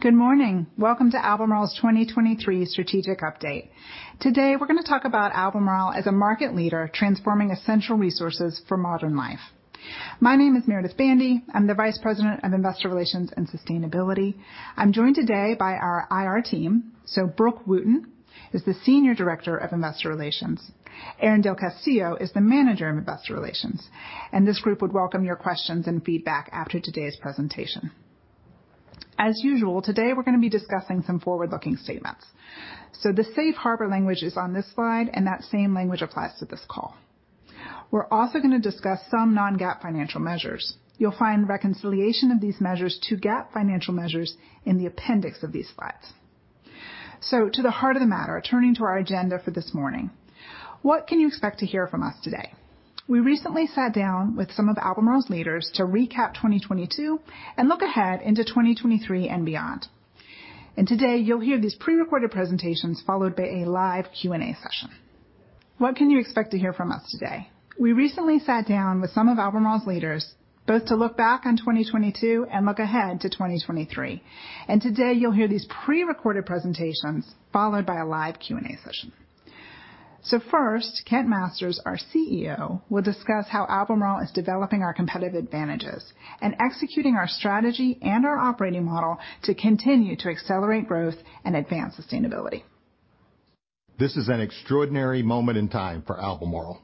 Good morning. Welcome to Albemarle's 2023 strategic update. Today, we're gonna talk about Albemarle as a market leader transforming essential resources for modern life. My name is Meredith Bandy. I'm the vice president of Investor Relations and Sustainability. I'm joined today by our IR team. Brook Wootton is the senior director of Investor Relations. Eran del Castillo is the manager of Investor Relations. This group would welcome your questions and feedback after today's presentation. As usual, today, we're gonna be discussing some forward-looking statements. The safe harbor language is on this slide, and that same language applies to this call. We're also gonna discuss some non-GAAP financial measures. You'll find reconciliation of these measures to GAAP financial measures in the appendix of these slides. To the heart of the matter, turning to our agenda for this morning, what can you expect to hear from us today? We recently sat down with some of Albemarle's leaders to recap 2022 and look ahead into 2023 and beyond. Today, you'll hear these prerecorded presentations followed by a live Q&A session. What can you expect to hear from us today? We recently sat down with some of Albemarle's leaders, both to look back on 2022 and look ahead to 2023. Today, you'll hear these prerecorded presentations followed by a live Q&A session. First, Kent Masters, our CEO, will discuss how Albemarle is developing our competitive advantages and executing our strategy and our operating model to continue to accelerate growth and advance sustainability. This is an extraordinary moment in time for Albemarle.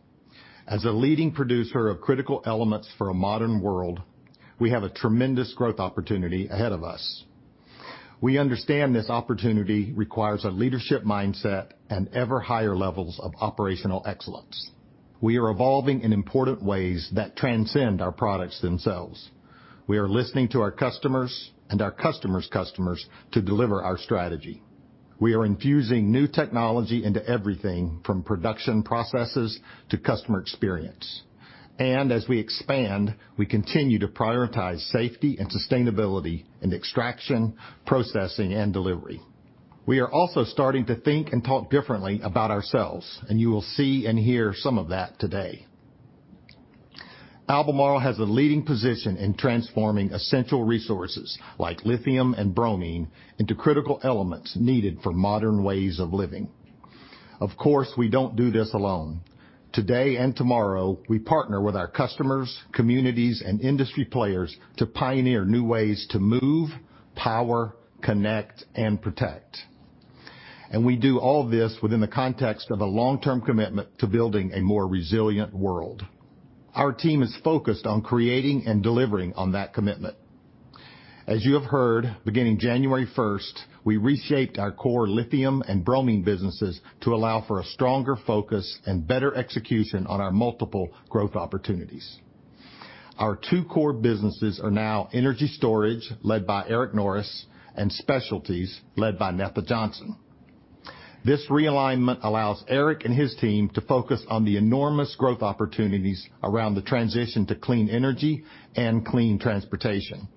As a leading producer of critical elements for a modern world, we have a tremendous growth opportunity ahead of us. We understand this opportunity requires a leadership mindset and ever higher levels of operational excellence. We are evolving in important ways that transcend our products themselves. We are listening to our customers and our customers' customers to deliver our strategy. We are infusing new technology into everything from production processes to customer experience. As we expand, we continue to prioritize safety and sustainability in extraction, processing, and delivery. We are also starting to think and talk differently about ourselves, and you will see and hear some of that today. Albemarle has a leading position in transforming essential resources like lithium and bromine into critical elements needed for modern ways of living. Of course, we don't do this alone. Today and tomorrow, we partner with our customers, communities, and industry players to pioneer new ways to move, power, connect, and protect. We do all this within the context of a long-term commitment to building a more resilient world. Our team is focused on creating and delivering on that commitment. As you have heard, beginning January first, we reshaped our core lithium and bromine businesses to allow for a stronger focus and better execution on our multiple growth opportunities. Our two core businesses are now Energy Storage, led by Eric Norris, and Specialties, led by Netha Johnson. This realignment allows Eric and his team to focus on the enormous growth opportunities around the transition to clean energy and clean transportation.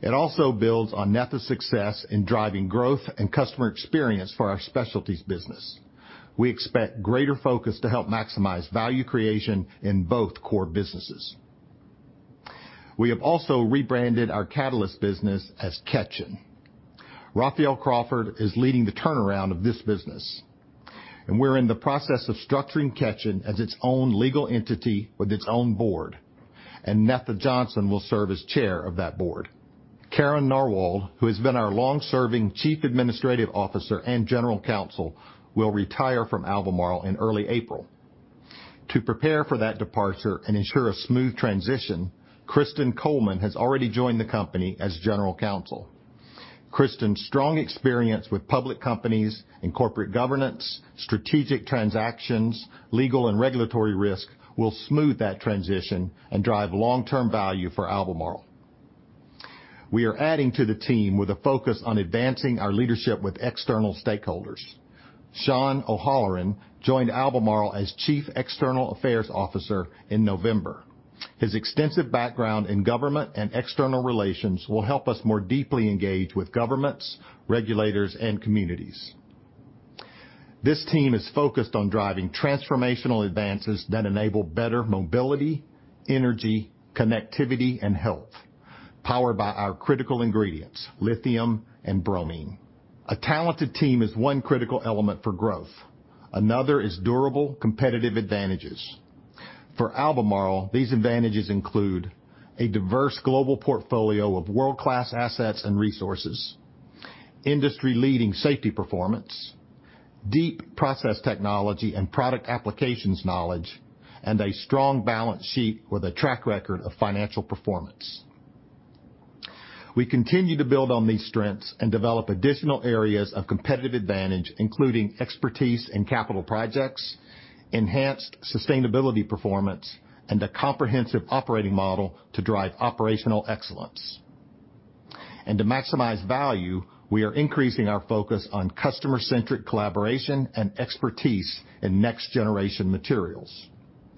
It also builds on Netha's success in driving growth and customer experience for our Specialties business. We expect greater focus to help maximize value creation in both core businesses. We have also rebranded our catalyst business as Ketjen. Raphael Crawford is leading the turnaround of this business, and we're in the process of structuring Ketjen as its own legal entity with its own board, and Netha Johnson will serve as chair of that board. Karen Narwold, who has been our long-serving Chief Administrative Officer and General Counsel, will retire from Albemarle in early April. To prepare for that departure and ensure a smooth transition, Kristin Coleman has already joined the company as General Counsel. Kristin's strong experience with public companies in corporate governance, strategic transactions, legal and regulatory risk will smooth that transition and drive long-term value for Albemarle. We are adding to the team with a focus on advancing our leadership with external stakeholders. Cynthia Lima joined Albemarle as Chief External Affairs Officer in November. His extensive background in government and external relations will help us more deeply engage with governments, regulators, and communities. This team is focused on driving transformational advances that enable better mobility, energy, connectivity, and health, powered by our critical ingredients: lithium and bromine. A talented team is one critical element for growth. Another is durable competitive advantages. For Albemarle, these advantages include a diverse global portfolio of world-class assets and resources, industry-leading safety performance, deep process technology and product applications knowledge, and a strong balance sheet with a track record of financial performance. We continue to build on these strengths and develop additional areas of competitive advantage, including expertise in capital projects, enhanced sustainability performance, and a comprehensive operating model to drive operational excellence. To maximize value, we are increasing our focus on customer-centric collaboration and expertise in next-generation materials.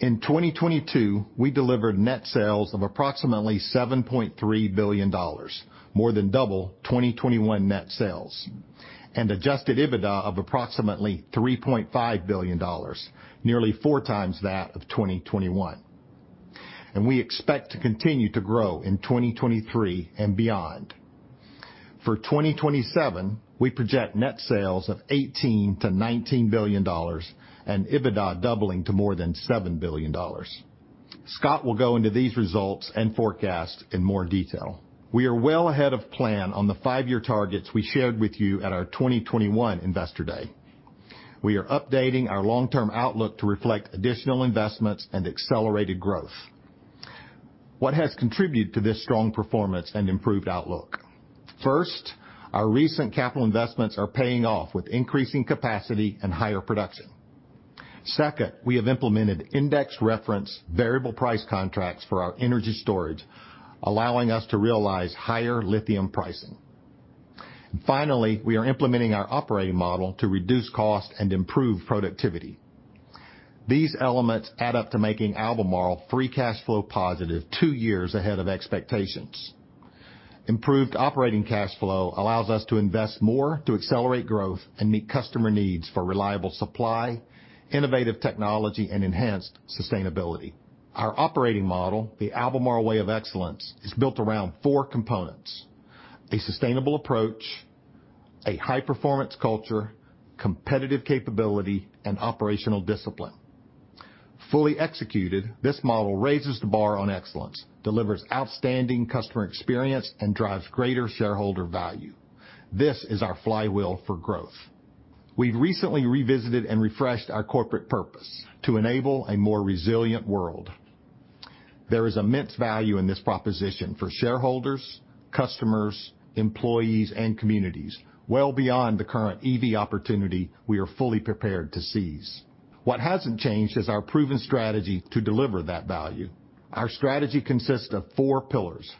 In 2022, we delivered net sales of approximately $7.3 billion, more than double 2021 net sales, and Adjusted EBITDA of approximately $3.5 billion, nearly four times that of 2021. We expect to continue to grow in 2023 and beyond. For 2027, we project net sales of $18 billion-$19 billion and EBITDA doubling to more than $7 billion. Scott will go into these results and forecasts in more detail. We are well ahead of plan on the 5-year targets we shared with you at our 2021 Investor Day. We are updating our long-term outlook to reflect additional investments and accelerated growth. What has contributed to this strong performance and improved outlook? First, our recent capital investments are paying off with increasing capacity and higher production. We have implemented index reference variable price contracts for our Energy Storage, allowing us to realize higher lithium pricing. We are implementing our operating model to reduce cost and improve productivity. These elements add up to making Albemarle free cash flow positive two years ahead of expectations. Improved operating cash flow allows us to invest more to accelerate growth and meet customer needs for reliable supply, innovative technology, and enhanced sustainability. Our operating model, The Albemarle Way of Excellence, is built around four components: a sustainable approach, a high-performance culture, competitive capability, and operational discipline. Fully executed, this model raises the bar on excellence, delivers outstanding customer experience, and drives greater shareholder value. This is our flywheel for growth. We've recently revisited and refreshed our corporate purpose to enable a more resilient world. There is immense value in this proposition for shareholders, customers, employees, and communities, well beyond the current EV opportunity we are fully prepared to seize. What hasn't changed is our proven strategy to deliver that value. Our strategy consists of four pillars: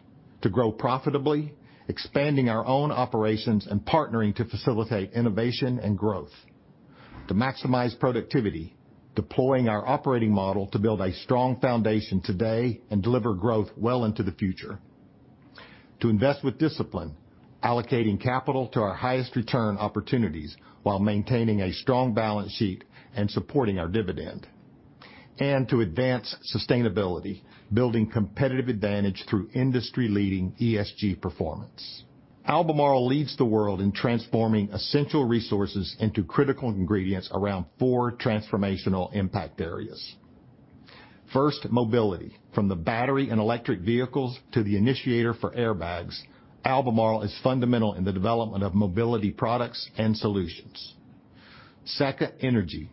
to grow profitably, expanding our own operations and partnering to facilitate innovation and growth. To maximize productivity, deploying our operating model to build a strong foundation today and deliver growth well into the future. To invest with discipline, allocating capital to our highest return opportunities while maintaining a strong balance sheet and supporting our dividend. To advance sustainability, building competitive advantage through industry-leading ESG performance. Albemarle leads the world in transforming essential resources into critical ingredients around four transformational impact areas. First, mobility. From the battery in electric vehicles to the initiator for airbags, Albemarle is fundamental in the development of mobility products and solutions. Second, energy.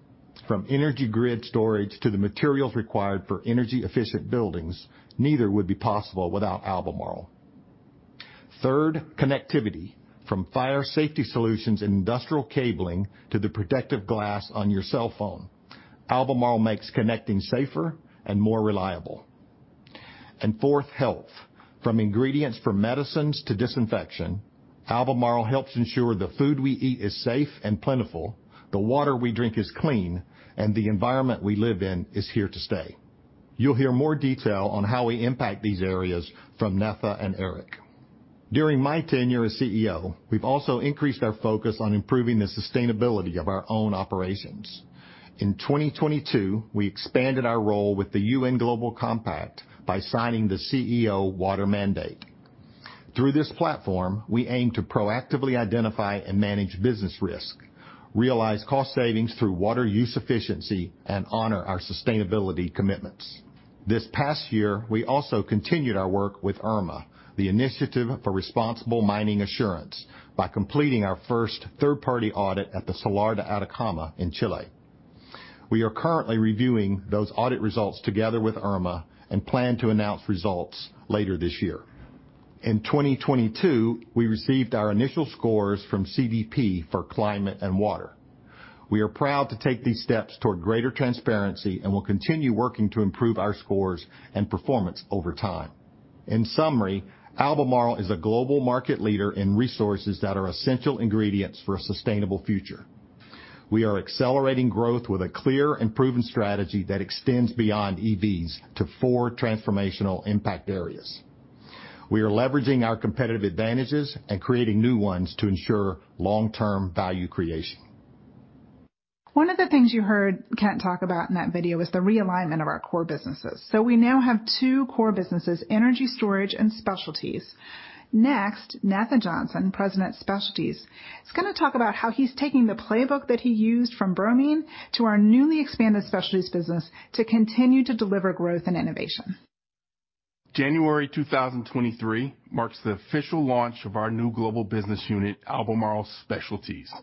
From energy grid storage to the materials required for energy-efficient buildings, neither would be possible without Albemarle. Third, connectivity. From fire safety solutions in industrial cabling to the protective glass on your cell phone, Albemarle makes connecting safer and more reliable. Fourth, health. From ingredients for medicines to disinfection, Albemarle helps ensure the food we eat is safe and plentiful, the water we drink is clean, and the environment we live in is here to stay. You'll hear more detail on how we impact these areas from Netha and Eric. During my tenure as CEO, we've also increased our focus on improving the sustainability of our own operations. In 2022, we expanded our role with the UN Global Compact by signing the CEO Water Mandate. Through this platform, we aim to proactively identify and manage business risk, realize cost savings through water use efficiency, and honor our sustainability commitments. This past year, we also continued our work with IRMA, the Initiative for Responsible Mining Assurance, by completing our first third-party audit at the Salar de Atacama in Chile. We are currently reviewing those audit results together with IRMA and plan to announce results later this year. In 2022, we received our initial scores from CDP for climate and water. We are proud to take these steps toward greater transparency and will continue working to improve our scores and performance over time. In summary, Albemarle is a global market leader in resources that are essential ingredients for a sustainable future. We are accelerating growth with a clear and proven strategy that extends beyond EVs to four transformational impact areas. We are leveraging our competitive advantages and creating new ones to ensure long-term value creation. One of the things you heard Kent talk about in that video was the realignment of our core businesses. We now have two core businesses, Energy Storage and Specialties. Next, Netha Johnson, President of Specialties, is gonna talk about how he's taking the playbook that he used from bromine to our newly expanded Specialties business to continue to deliver growth and innovation. January 2023 marks the official launch of our new global business unit, Albemarle Specialties.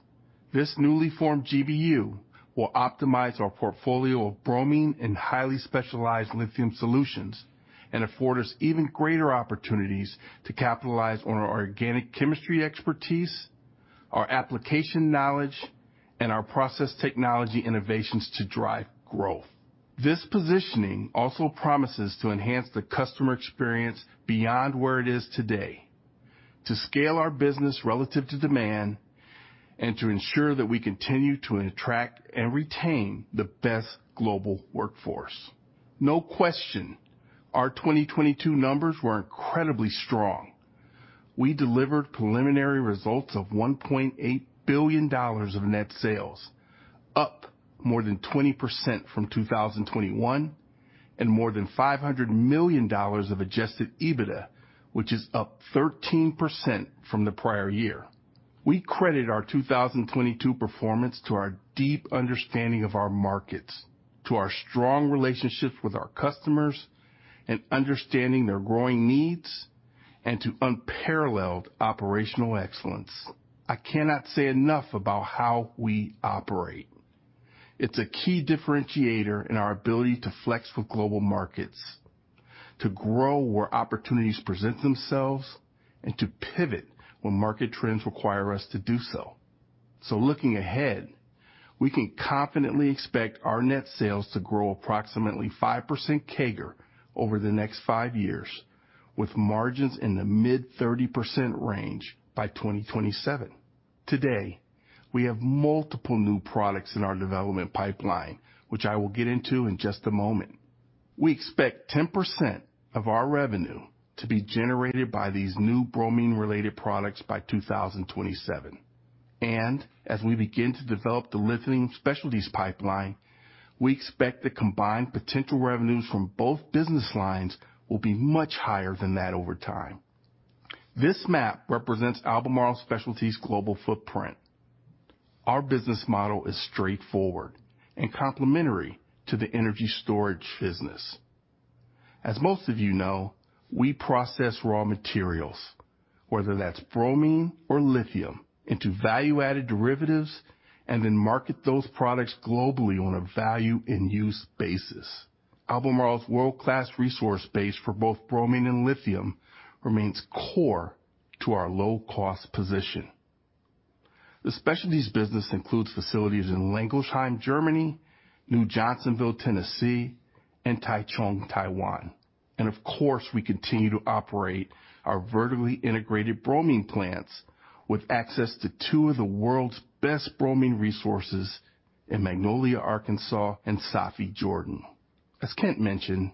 This newly formed GBU will optimize our portfolio of bromine and highly specialized lithium solutions and afford us even greater opportunities to capitalize on our organic chemistry expertise, our application knowledge, and our process technology innovations to drive growth. This positioning also promises to enhance the customer experience beyond where it is today, to scale our business relative to demand, and to ensure that we continue to attract and retain the best global workforce. No question, our 2022 numbers were incredibly strong. We delivered preliminary results of $1.8 billion of net sales, up more than 20% from 2021, and more than $500 million of Adjusted EBITDA, which is up 13% from the prior year. We credit our 2022 performance to our deep understanding of our markets, to our strong relationships with our customers and understanding their growing needs, and to unparalleled operational excellence. I cannot say enough about how we operate. It's a key differentiator in our ability to flex with global markets, to grow where opportunities present themselves, and to pivot when market trends require us to do so. Looking ahead, we can confidently expect our net sales to grow approximately 5% CAGR over the next five years, with margins in the mid-30% range by 2027. Today, we have multiple new products in our development pipeline, which I will get into in just a moment. We expect 10% of our revenue to be generated by these new bromine-related products by 2027. As we begin to develop the Lithium Specialties pipeline, we expect the combined potential revenues from both business lines will be much higher than that over time. This map represents Albemarle Specialties global footprint. Our business model is straightforward and complementary to the Energy Storage business. As most of you know, we process raw materials, whether that's bromine or lithium, into value-added derivatives and then market those products globally on a value in use basis. Albemarle's world-class resource base for both bromine and lithium remains core to our low cost position. The Specialties business includes facilities in Langelsheim, Germany, New Johnsonville, Tennessee, and Taichung, Taiwan. Of course, we continue to operate our vertically integrated bromine plants with access to two of the world's best bromine resources in Magnolia, Arkansas and Safi, Jordan. As Kent mentioned,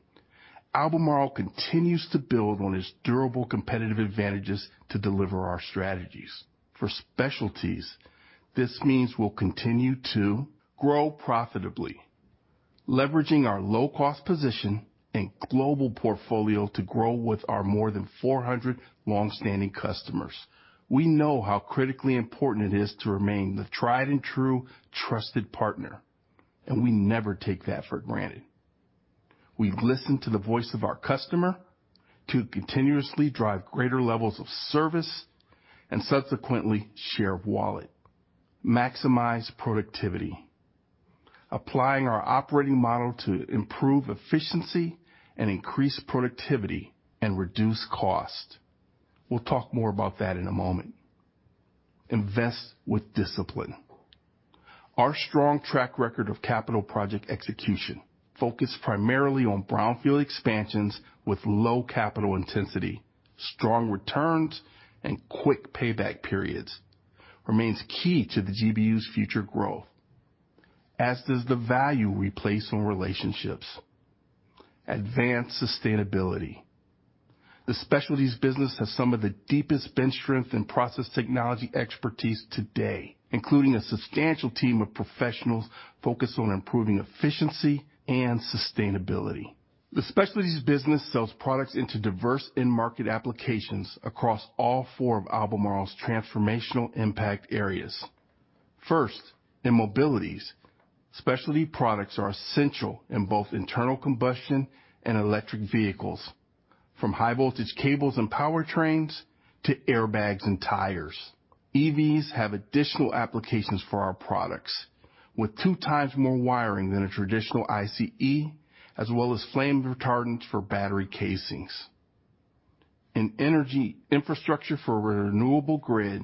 Albemarle continues to build on its durable competitive advantages to deliver our strategies. For Specialties, this means we'll continue to grow profitably, leveraging our low cost position and global portfolio to grow with our more than 400 long-standing customers. We know how critically important it is to remain the tried and true trusted partner, and we never take that for granted. We listen to the voice of our customer to continuously drive greater levels of service and subsequently share wallet, maximize productivity, applying our operating model to improve efficiency and increase productivity and reduce cost. We'll talk more about that in a moment. Invest with discipline. Our strong track record of capital project execution focused primarily on brownfield expansions with low capital intensity, strong returns, and quick payback periods, remains key to the GBU's future growth, as does the value we place on relationships. Advance sustainability. The Specialties business has some of the deepest bench strength and process technology expertise today, including a substantial team of professionals focused on improving efficiency and sustainability. The Specialties business sells products into diverse end market applications across all four of Albemarle's transformational impact areas. First, in mobilities, specialty products are essential in both internal combustion and electric vehicles, from high-voltage cables and powertrains to airbags and tires. EVs have additional applications for our products, with two times more wiring than a traditional ICE, as well as flame retardants for battery casings. In energy, infrastructure for renewable grid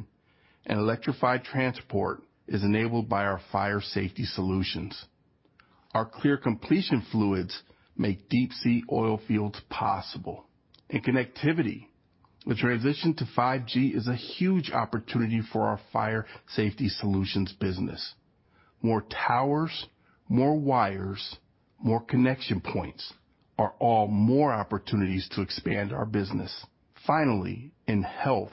and electrified transport is enabled by our fire safety solutions. Our clear completion fluids make deep sea oil fields possible. In connectivity, the transition to 5G is a huge opportunity for our fire safety solutions business. More towers, more wires, more connection points are all more opportunities to expand our business. In health,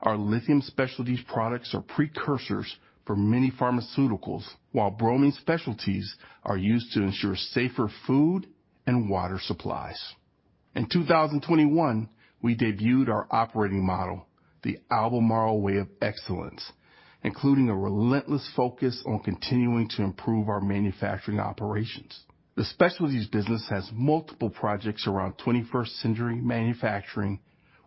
our Lithium Specialties products are precursors for many pharmaceuticals, while Bromine Specialties are used to ensure safer food and water supplies. In 2021, we debuted our operating model, the Albemarle Way of Excellence, including a relentless focus on continuing to improve our manufacturing operations. The Specialties business has multiple projects around 21st century manufacturing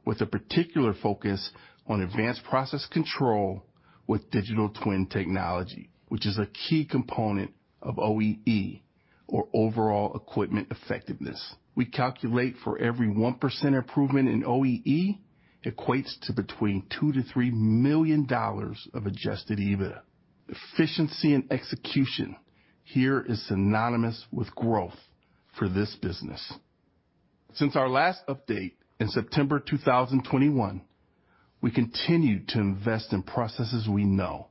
with a particular focus on advanced process control with digital twin technology, which is a key component of OEE or overall equipment effectiveness. We calculate for every 1% improvement in OEE equates to between $2 million-$3 million of Adjusted EBITDA. Efficiency and execution here is synonymous with growth for this business. Since our last update in September 2021, we continued to invest in processes we know.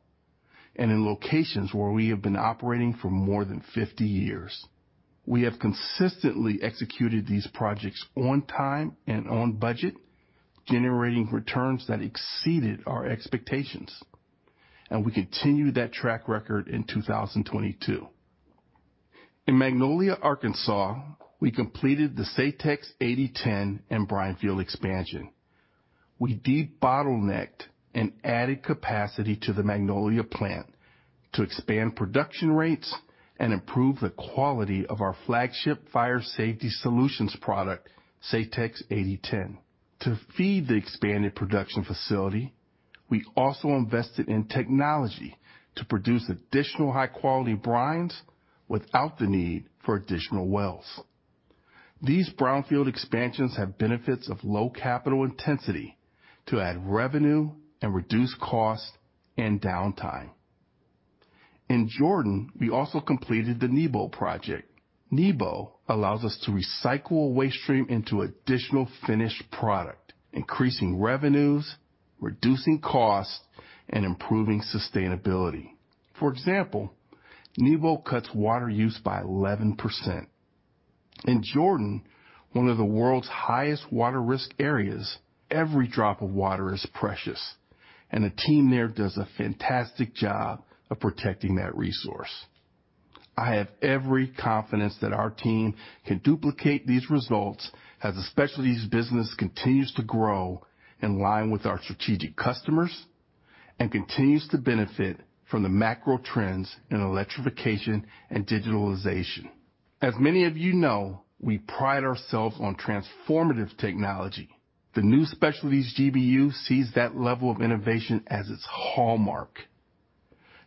In locations where we have been operating for more than 50 years. We have consistently executed these projects on time and on budget, generating returns that exceeded our expectations. We continued that track record in 2022. In Magnolia, Arkansas, we completed the SAYTEX 8010 and brine field expansion. We debottlenecked and added capacity to the Magnolia plant to expand production rates and improve the quality of our flagship fire safety solutions product, SAYTEX 8010. To feed the expanded production facility, we also invested in technology to produce additional high-quality brines without the need for additional wells. These brownfield expansions have benefits of low capital intensity to add revenue and reduce costs and downtime. In Jordan, we also completed the NEBO project. NEBO allows us to recycle a waste stream into additional finished product, increasing revenues, reducing costs, and improving sustainability. For example, NEBO cuts water use by 11%. In Jordan, one of the world's highest water risk areas, every drop of water is precious, and the team there does a fantastic job of protecting that resource. I have every confidence that our team can duplicate these results as the specialties business continues to grow in line with our strategic customers and continues to benefit from the macro trends in electrification and digitalization. As many of you know, we pride ourselves on transformative technology. The new specialties GBU sees that level of innovation as its hallmark,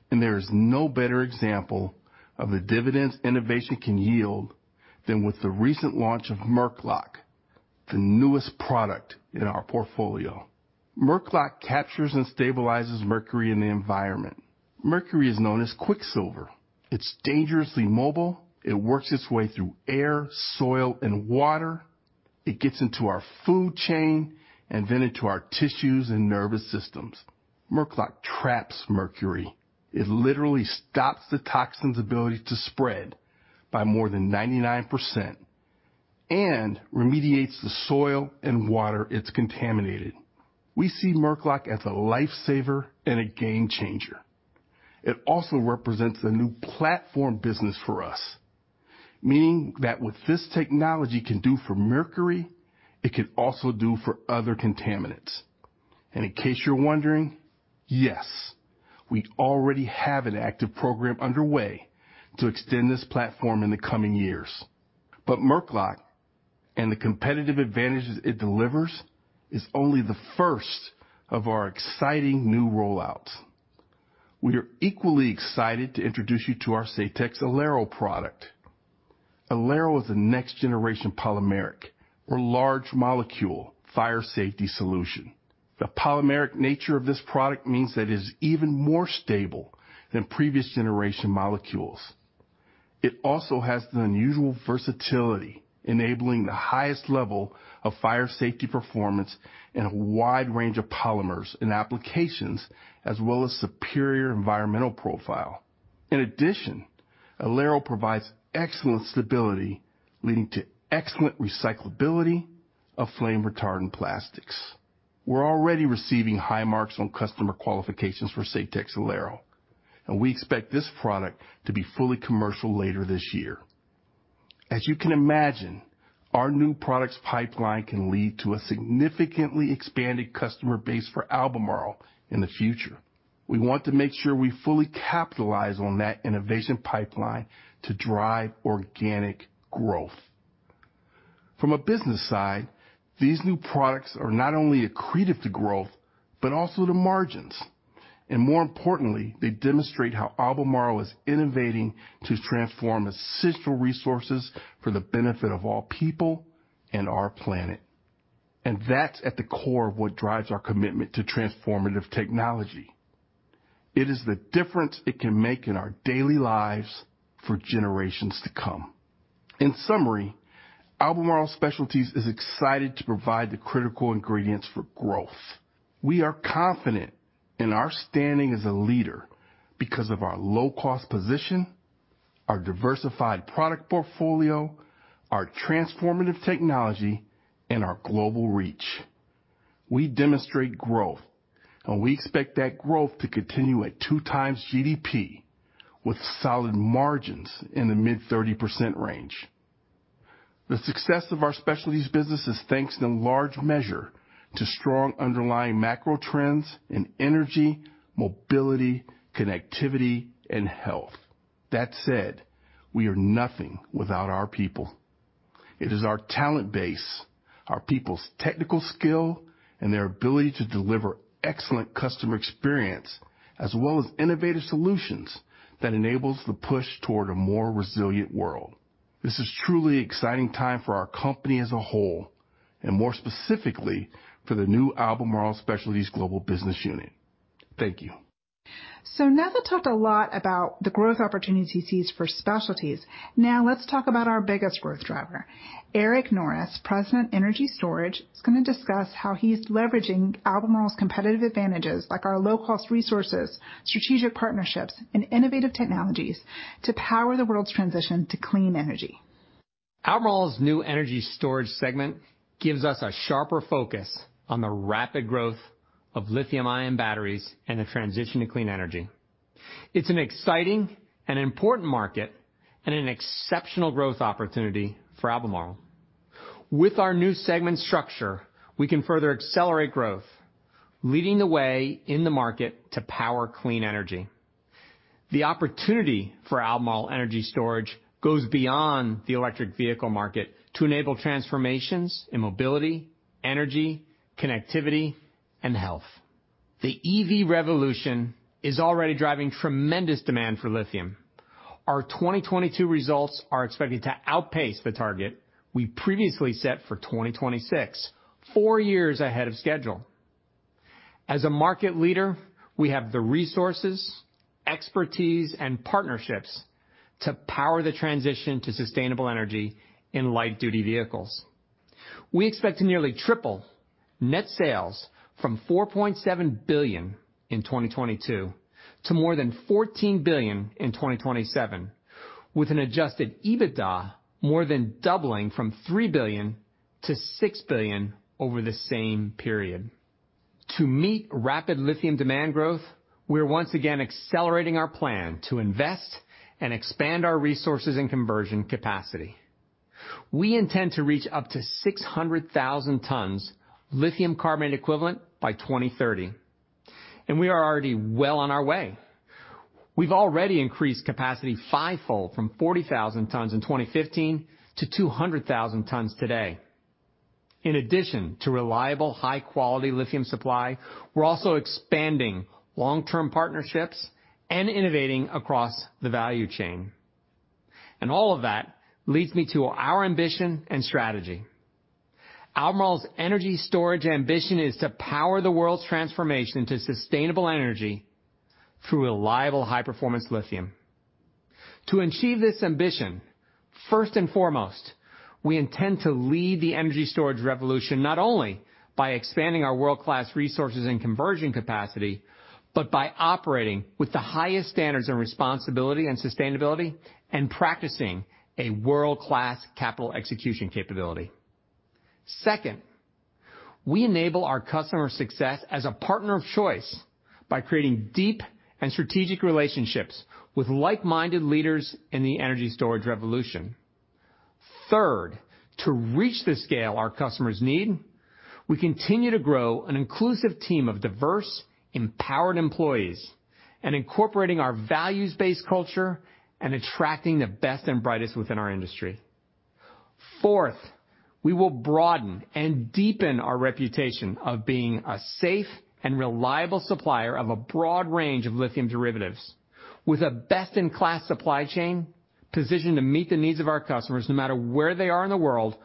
and there is no better example of the dividends innovation can yield than with the recent launch of MercLoc, the newest product in our portfolio. MercLoc captures and stabilizes mercury in the environment. Mercury is known as quicksilver. It's dangerously mobile. It works its way through air, soil, and water. It gets into our food chain and then into our tissues and nervous systems. MercLoc traps mercury. It literally stops the toxin's ability to spread by more than 99% and remediates the soil and water it's contaminated. We see MercLoc as a lifesaver and a game changer. It also represents a new platform business for us, meaning that what this technology can do for mercury, it can also do for other contaminants. In case you're wondering, yes, we already have an active program underway to extend this platform in the coming years. MercLoc, and the competitive advantages it delivers, is only the first of our exciting new rollouts. We are equally excited to introduce you to our SAYTEX ALERO product. ALERO is a next-generation polymeric or large molecule fire safety solution. The polymeric nature of this product means that it is even more stable than previous generation molecules. It also has an unusual versatility, enabling the highest level of fire safety performance in a wide range of polymers and applications as well as superior environmental profile. In addition, ALERO provides excellent stability, leading to excellent recyclability of flame retardant plastics. We're already receiving high marks on customer qualifications for SAYTEX ALERO, and we expect this product to be fully commercial later this year. As you can imagine, our new products pipeline can lead to a significantly expanded customer base for Albemarle in the future. We want to make sure we fully capitalize on that innovation pipeline to drive organic growth. From a business side, these new products are not only accretive to growth, but also to margins. More importantly, they demonstrate how Albemarle is innovating to transform essential resources for the benefit of all people and our planet. That's at the core of what drives our commitment to transformative technology. It is the difference it can make in our daily lives for generations to come. In summary, Albemarle Specialties is excited to provide the critical ingredients for growth. We are confident in our standing as a leader because of our low-cost position, our diversified product portfolio, our transformative technology, and our global reach. We demonstrate growth, and we expect that growth to continue at two times GDP with solid margins in the mid-30% range. The success of our specialties business is thanks in large measure to strong underlying macro trends in energy, mobility, connectivity, and health. That said, we are nothing without our people. It is our talent base, our people's technical skill, and their ability to deliver excellent customer experience as well as innovative solutions that enables the push toward a more resilient world. This is truly exciting time for our company as a whole, and more specifically for the new Albemarle Specialties global business unit. Thank you. Netha talked a lot about the growth opportunities he sees for Specialties. Now let's talk about our biggest growth driver. Eric Norris, President, Energy Storage, is going to discuss how he's leveraging Albemarle's competitive advantages like our low-cost resources, strategic partnerships, and innovative technologies to power the world's transition to clean energy. Albemarle's new energy storage segment gives us a sharper focus on the rapid growth of lithium-ion batteries and the transition to clean energy. It's an exciting and important market and an exceptional growth opportunity for Albemarle. With our new segment structure, we can further accelerate growth, leading the way in the market to power clean energy. The opportunity for Albemarle energy storage goes beyond the electric vehicle market to enable transformations in mobility, energy, connectivity, and health. The EV revolution is already driving tremendous demand for lithium. Our 2022 results are expected to outpace the target we previously set for 2026, four years ahead of schedule. As a market leader, we have the resources, expertise, and partnerships to power the transition to sustainable energy in light-duty vehicles. We expect to nearly triple net sales from $4.7 billion in 2022 to more than $14 billion in 2027, with an Adjusted EBITDA more than doubling from $3 billion- $6 billion over the same period. To meet rapid lithium demand growth, we're once again accelerating our plan to invest and expand our resources and conversion capacity. We intend to reach up to 600,000 tons lithium carbonate equivalent by 2030, and we are already well on our way. We've already increased capacity five-fold from 40,000 tons in 2015 to 200,000 tons today. In addition to reliable, high-quality lithium supply, we're also expanding long-term partnerships and innovating across the value chain. All of that leads me to our ambition and strategy. Albemarle's energy storage ambition is to power the world's transformation to sustainable energy through reliable, high-performance lithium. To achieve this ambition, first and foremost, we intend to lead the energy storage revolution, not only by expanding our world-class resources and conversion capacity, but by operating with the highest standards in responsibility and sustainability and practicing a world-class capital execution capability. Second, we enable our customer success as a partner of choice by creating deep and strategic relationships with like-minded leaders in the energy storage revolution. Third, to reach the scale our customers need, we continue to grow an inclusive team of diverse, empowered employees and incorporating our values-based culture and attracting the best and brightest within our industry. Fourth, we will broaden and deepen our reputation of being a safe and reliable supplier of a broad range of lithium derivatives with a best-in-class supply chain positioned to meet the needs of our customers, no matter where they are in the world,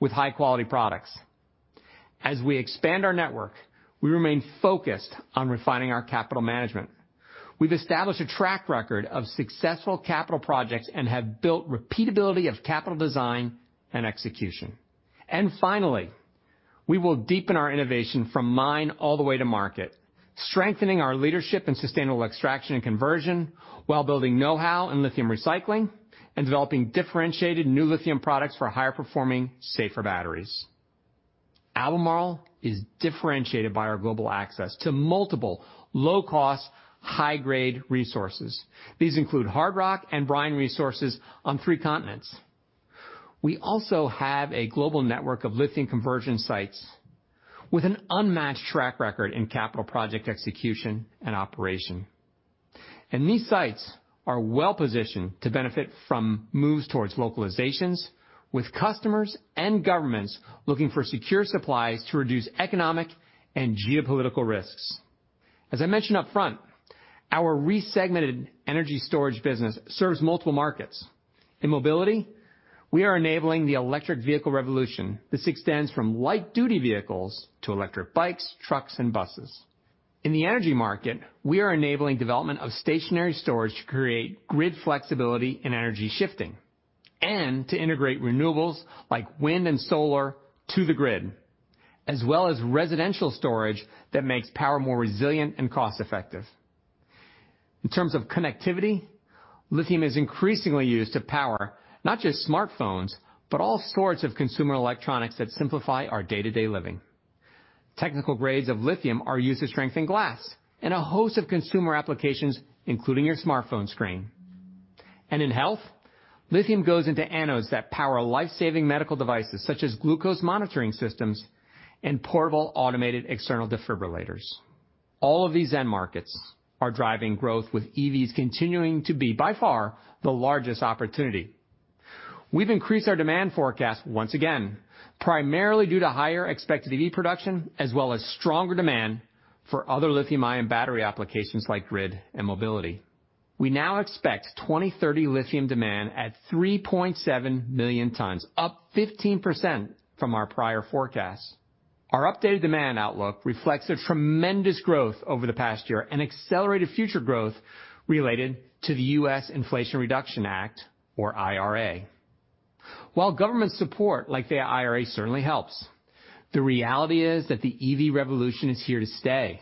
with high-quality products. As we expand our network, we remain focused on refining our capital management. We've established a track record of successful capital projects and have built repeatability of capital design and execution. Finally, we will deepen our innovation from mine all the way to market, strengthening our leadership in sustainable extraction and conversion while building know-how in lithium recycling and developing differentiated new lithium products for higher-performing, safer batteries. Albemarle is differentiated by our global access to multiple low-cost, high-grade resources. These include hard rock and brine resources on three continents. We also have a global network of lithium conversion sites with an unmatched track record in capital project execution and operation. These sites are well-positioned to benefit from moves towards localizations with customers and governments looking for secure supplies to reduce economic and geopolitical risks. As I mentioned up front, our resegmented energy storage business serves multiple markets. In mobility, we are enabling the electric vehicle revolution. This extends from light-duty vehicles to electric bikes, trucks, and buses. In the energy market, we are enabling development of stationary storage to create grid flexibility and energy shifting, and to integrate renewables like wind and solar to the grid, as well as residential storage that makes power more resilient and cost-effective. In terms of connectivity, lithium is increasingly used to power not just smartphones, but all sorts of consumer electronics that simplify our day-to-day living. Technical grades of lithium are used to strengthen glass in a host of consumer applications, including your smartphone screen. In health, lithium goes into anodes that power life-saving medical devices such as glucose monitoring systems and portable automated external defibrillators. All of these end markets are driving growth, with EVs continuing to be, by far, the largest opportunity. We've increased our demand forecast once again, primarily due to higher expected EV production as well as stronger demand for other lithium-ion battery applications like grid and mobility. We now expect 2030 lithium demand at 3.7 million times, up 15% from our prior forecast. Our updated demand outlook reflects a tremendous growth over the past year and accelerated future growth related to the U.S. Inflation Reduction Act or IRA. Government support like the IRA certainly helps, the reality is that the EV revolution is here to stay.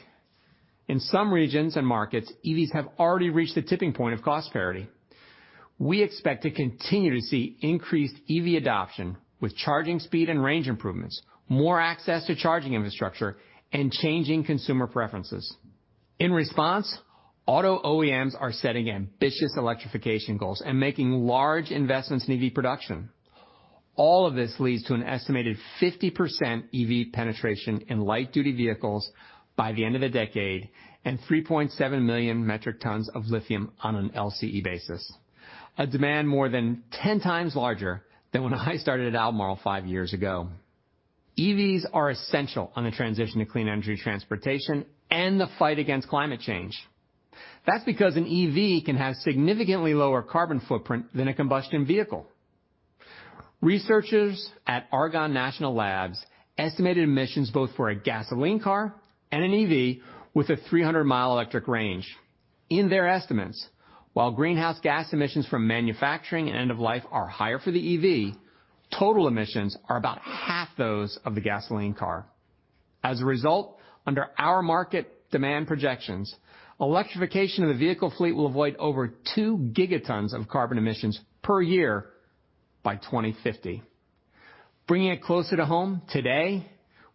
In some regions and markets, EVs have already reached the tipping point of cost parity. We expect to continue to see increased EV adoption with charging speed and range improvements, more access to charging infrastructure, and changing consumer preferences. In response, auto OEMs are setting ambitious electrification goals and making large investments in EV production. All of this leads to an estimated 50% EV penetration in light-duty vehicles by the end of the decade and 3.7 million metric tons of lithium on an LCE basis. A demand more than 10 times larger than when I started at Albemarle five years ago. EVs are essential on the transition to clean energy transportation and the fight against climate change. That's because an EV can have significantly lower carbon footprint than a combustion vehicle. Researchers at Argonne National Labs estimated emissions both for a gasoline car and an EV with a 300-mile electric range. In their estimates, while greenhouse gas emissions from manufacturing and end of life are higher for the EV, total emissions are about half those of the gasoline car. As a result, under our market demand projections, electrification of the vehicle fleet will avoid over two gigatons of carbon emissions per year by 2050. Bringing it closer to home, today,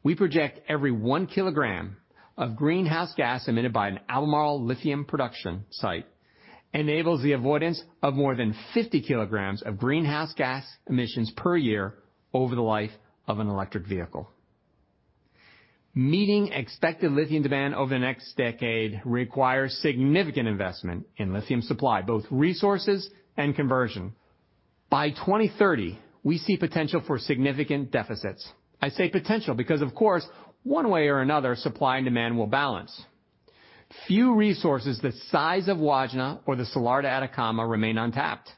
we project every one kg of greenhouse gas emitted by an Albemarle lithium production site enables the avoidance of more than 50 kilograms of greenhouse gas emissions per year over the life of an electric vehicle. Meeting expected lithium demand over the next decade requires significant investment in lithium supply, both resources and conversion. By 2030, we see potential for significant deficits. I say potential because, of course, one way or another, supply and demand will balance. Few resources the size of Wodgina or the Salar de Atacama remain untapped,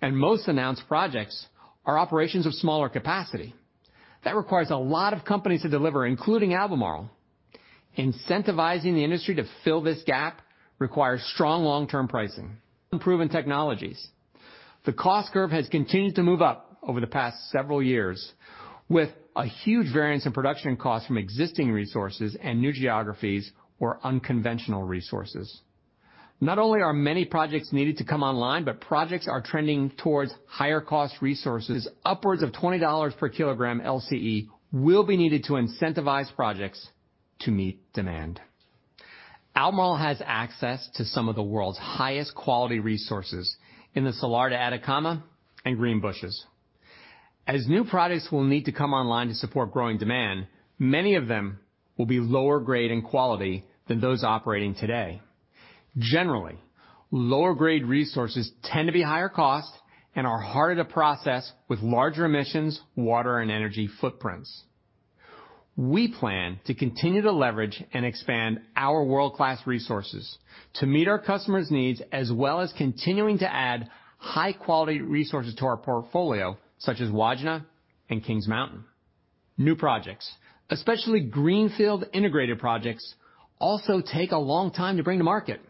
and most announced projects are operations of smaller capacity. That requires a lot of companies to deliver, including Albemarle. Incentivizing the industry to fill this gap requires strong long-term pricing. Improving technologies. The cost curve has continued to move up over the past several years, with a huge variance in production costs from existing resources and new geographies or unconventional resources. Not only are many projects needed to come online, but projects are trending towards higher cost resources. Upwards of $20 per kilogram LCE will be needed to incentivize projects to meet demand. Albemarle has access to some of the world's highest quality resources in the Salar de Atacama and Greenbushes. As new products will need to come online to support growing demand, many of them will be lower grade in quality than those operating today. Generally, lower grade resources tend to be higher cost and are harder to process with larger emissions, water and energy footprints. We plan to continue to leverage and expand our world-class resources to meet our customers' needs, as well as continuing to add high-quality resources to our portfolio, such as Wodgina and Kings Mountain. New projects, especially greenfield integrated projects, also take a long time to bring to market.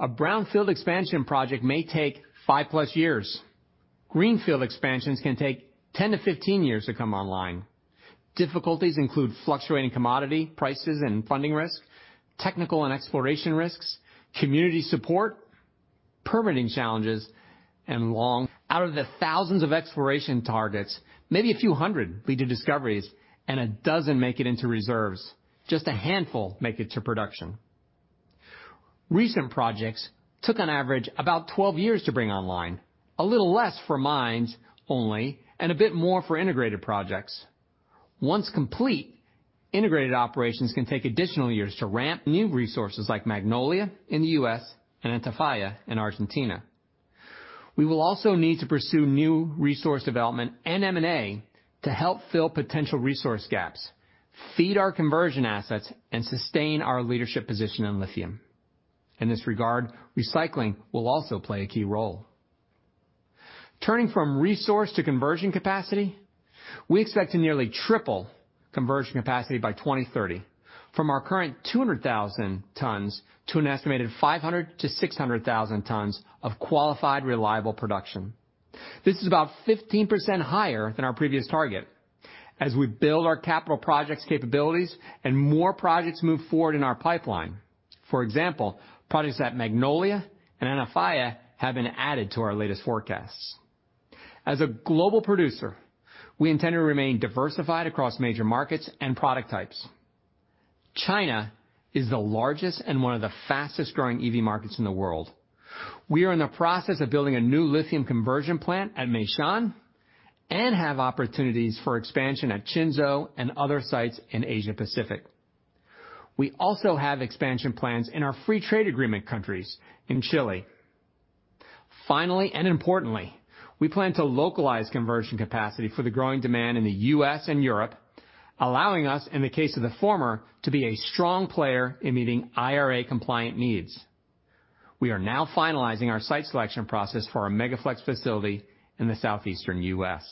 A brownfield expansion project may take 5+ years. Greenfield expansions can take 10-15 years to come online. Difficulties include fluctuating commodity prices and funding risk, technical and exploration risks, community support, permitting challenges. Out of the thousands of exploration targets, maybe a few hundred lead to discoveries and a dozen make it into reserves. Just a handful make it to production. Recent projects took on average about 12 years to bring online, a little less for mines only and a bit more for integrated projects. Once complete, integrated operations can take additional years to ramp new resources like Magnolia in the U.S. and Antofalla in Argentina. We will also need to pursue new resource development and M&A to help fill potential resource gaps, feed our conversion assets, and sustain our leadership position in lithium. In this regard, recycling will also play a key role. Turning from resource to conversion capacity, we expect to nearly triple conversion capacity by 2030 from our current 200,000 tons to an estimated 500,000-600,000 tons of qualified, reliable production. This is about 15% higher than our previous target. As we build our capital projects capabilities and more projects move forward in our pipeline, for example, projects at Magnolia and Antofalla have been added to our latest forecasts. As a global producer, we intend to remain diversified across major markets and product types. China is the largest and one of the fastest-growing EV markets in the world. We are in the process of building a new lithium conversion plant at Meishan and have opportunities for expansion at Qinzhou and other sites in Asia-Pacific. We also have expansion plans in our free trade agreement countries in Chile. Finally and importantly, we plan to localize conversion capacity for the growing demand in the US and Europe, allowing us, in the case of the former, to be a strong player in meeting IRA-compliant needs. We are now finalizing our site selection process for our Mega-Flex facility in the southeastern US.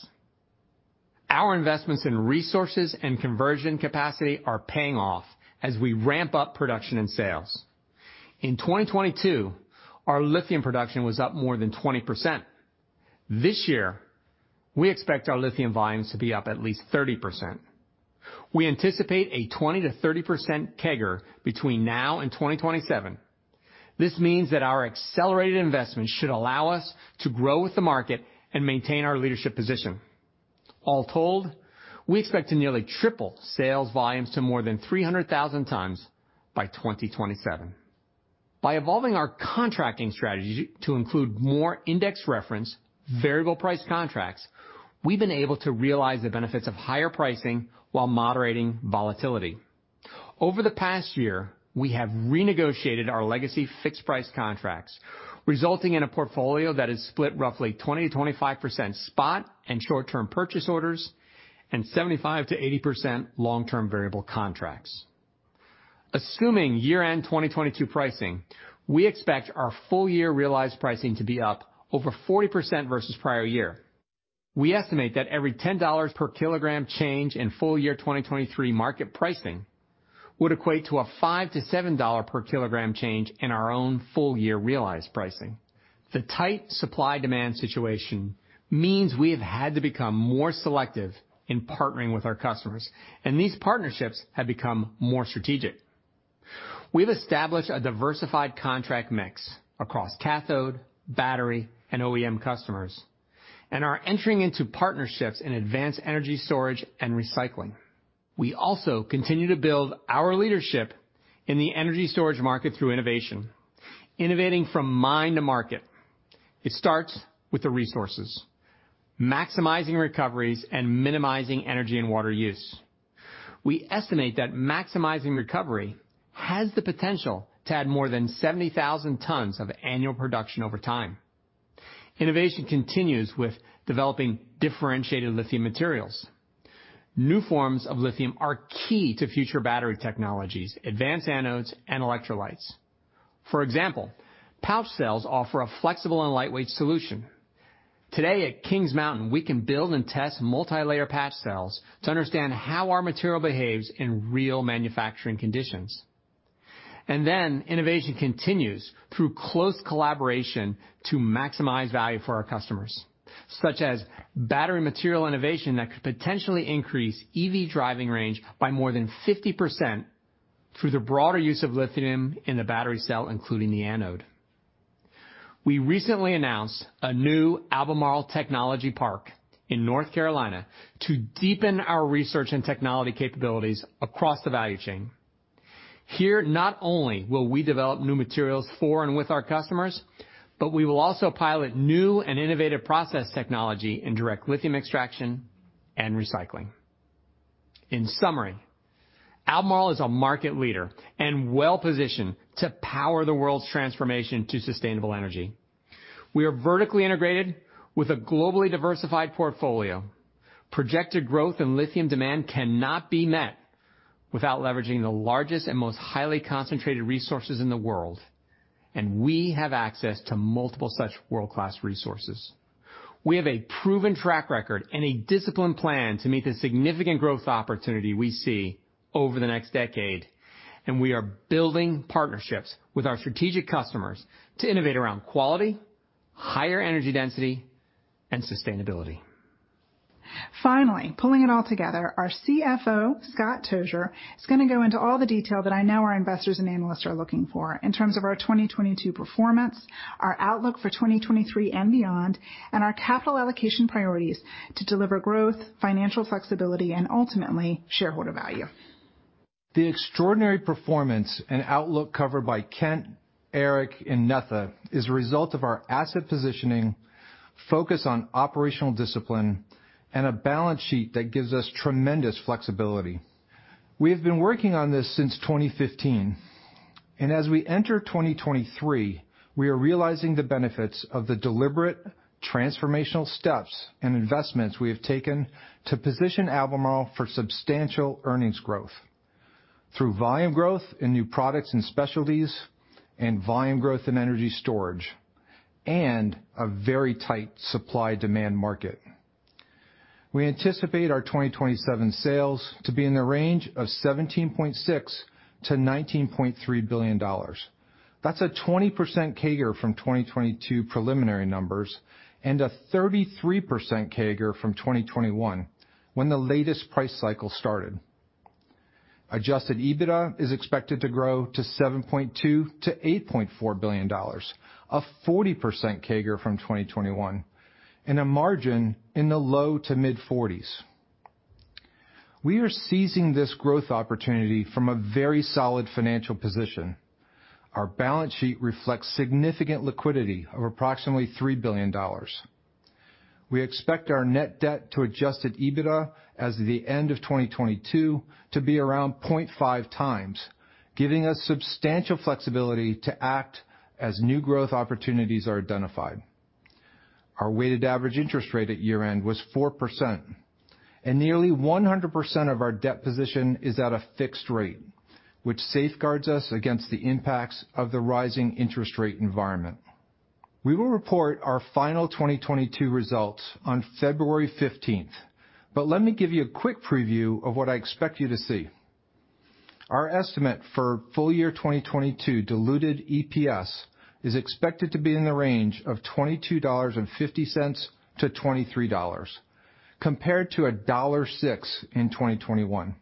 Our investments in resources and conversion capacity are paying off as we ramp up production and sales. In 2022, our lithium production was up more than 20%. This year, we expect our lithium volumes to be up at least 30%. We anticipate a 20%-30% CAGR between now and 2027. This means that our accelerated investment should allow us to grow with the market and maintain our leadership position. All told, we expect to nearly triple sales volumes to more than 300,000 times by 2027. By evolving our contracting strategy to include more index reference, variable price contracts, we've been able to realize the benefits of higher pricing while moderating volatility. Over the past year, we have renegotiated our legacy fixed-price contracts, resulting in a portfolio that is split roughly 20%-25% spot and short-term purchase orders and 75%-80% long-term variable contracts. Assuming year-end 2022 pricing, we expect our full year realized pricing to be up over 40% versus prior year. We estimate that every $10 per kilogram change in full year 2023 market pricing would equate to a $5-$7 per kilogram change in our own full year realized pricing. The tight supply-demand situation means we have had to become more selective in partnering with our customers. These partnerships have become more strategic. We've established a diversified contract mix across cathode, battery, and OEM customers. Are entering into partnerships in advanced energy storage and recycling. We also continue to build our leadership in the energy storage market through innovation, innovating from mine to market. It starts with the resources, maximizing recoveries, and minimizing energy and water use. We estimate that maximizing recovery has the potential to add more than 70,000 tons of annual production over time. Innovation continues with developing differentiated lithium materials. New forms of lithium are key to future battery technologies, advanced anodes, and electrolytes. For example, pouch cells offer a flexible and lightweight solution. Today at Kings Mountain, we can build and test multilayer pouch cells to understand how our material behaves in real manufacturing conditions. Innovation continues through close collaboration to maximize value for our customers, such as battery material innovation that could potentially increase EV driving range by more than 50% through the broader use of lithium in the battery cell, including the anode. We recently announced a new Albemarle technology park in North Carolina to deepen our research and technology capabilities across the value chain. Here, not only will we develop new materials for and with our customers, but we will also pilot new and innovative process technology in direct lithium extraction and recycling. In summary, Albemarle is a market leader and well-positioned to power the world's transformation to sustainable energy. We are vertically integrated with a globally diversified portfolio. Projected growth in lithium demand cannot be met without leveraging the largest and most highly concentrated resources in the world, and we have access to multiple such world-class resources. We have a proven track record and a disciplined plan to meet the significant growth opportunity we see over the next decade, and we are building partnerships with our strategic customers to innovate around quality, higher energy density, and sustainability. Finally, pulling it all together, our CFO, Scott Tozier, is gonna go into all the detail that I know our investors and analysts are looking for in terms of our 2022 performance, our outlook for 2023 and beyond, and our capital allocation priorities to deliver growth, financial flexibility, and ultimately shareholder value. The extraordinary performance and outlook covered by Kent, Eric, and Netha is a result of our asset positioning, focus on operational discipline, and a balance sheet that gives us tremendous flexibility. We have been working on this since 2015. As we enter 2023, we are realizing the benefits of the deliberate transformational steps and investments we have taken to position Albemarle for substantial earnings growth through volume growth in new products and specialties and volume growth in energy storage and a very tight supply-demand market. We anticipate our 2027 sales to be in the range of $17.6 billion-$19.3 billion. That's a 20% CAGR from 2022 preliminary numbers and a 33% CAGR from 2021, when the latest price cycle started. Adjusted EBITDA is expected to grow to $7.2 billion-$8.4 billion, a 40% CAGR from 2021, and a margin in the low to mid-forties. We are seizing this growth opportunity from a very solid financial position. Our balance sheet reflects significant liquidity of approximately $3 billion. We expect our net debt to Adjusted EBITDA as the end of 2022 to be around 0.5x, giving us substantial flexibility to act as new growth opportunities are identified. Our weighted average interest rate at year-end was 4%. Nearly 100% of our debt position is at a fixed rate, which safeguards us against the impacts of the rising interest rate environment. We will report our final 2022 results on February 15th. Let me give you a quick preview of what I expect you to see. Our estimate for full year 2022 diluted EPS is expected to be in the range of $22.50-$23 compared to $1.06 in 2021.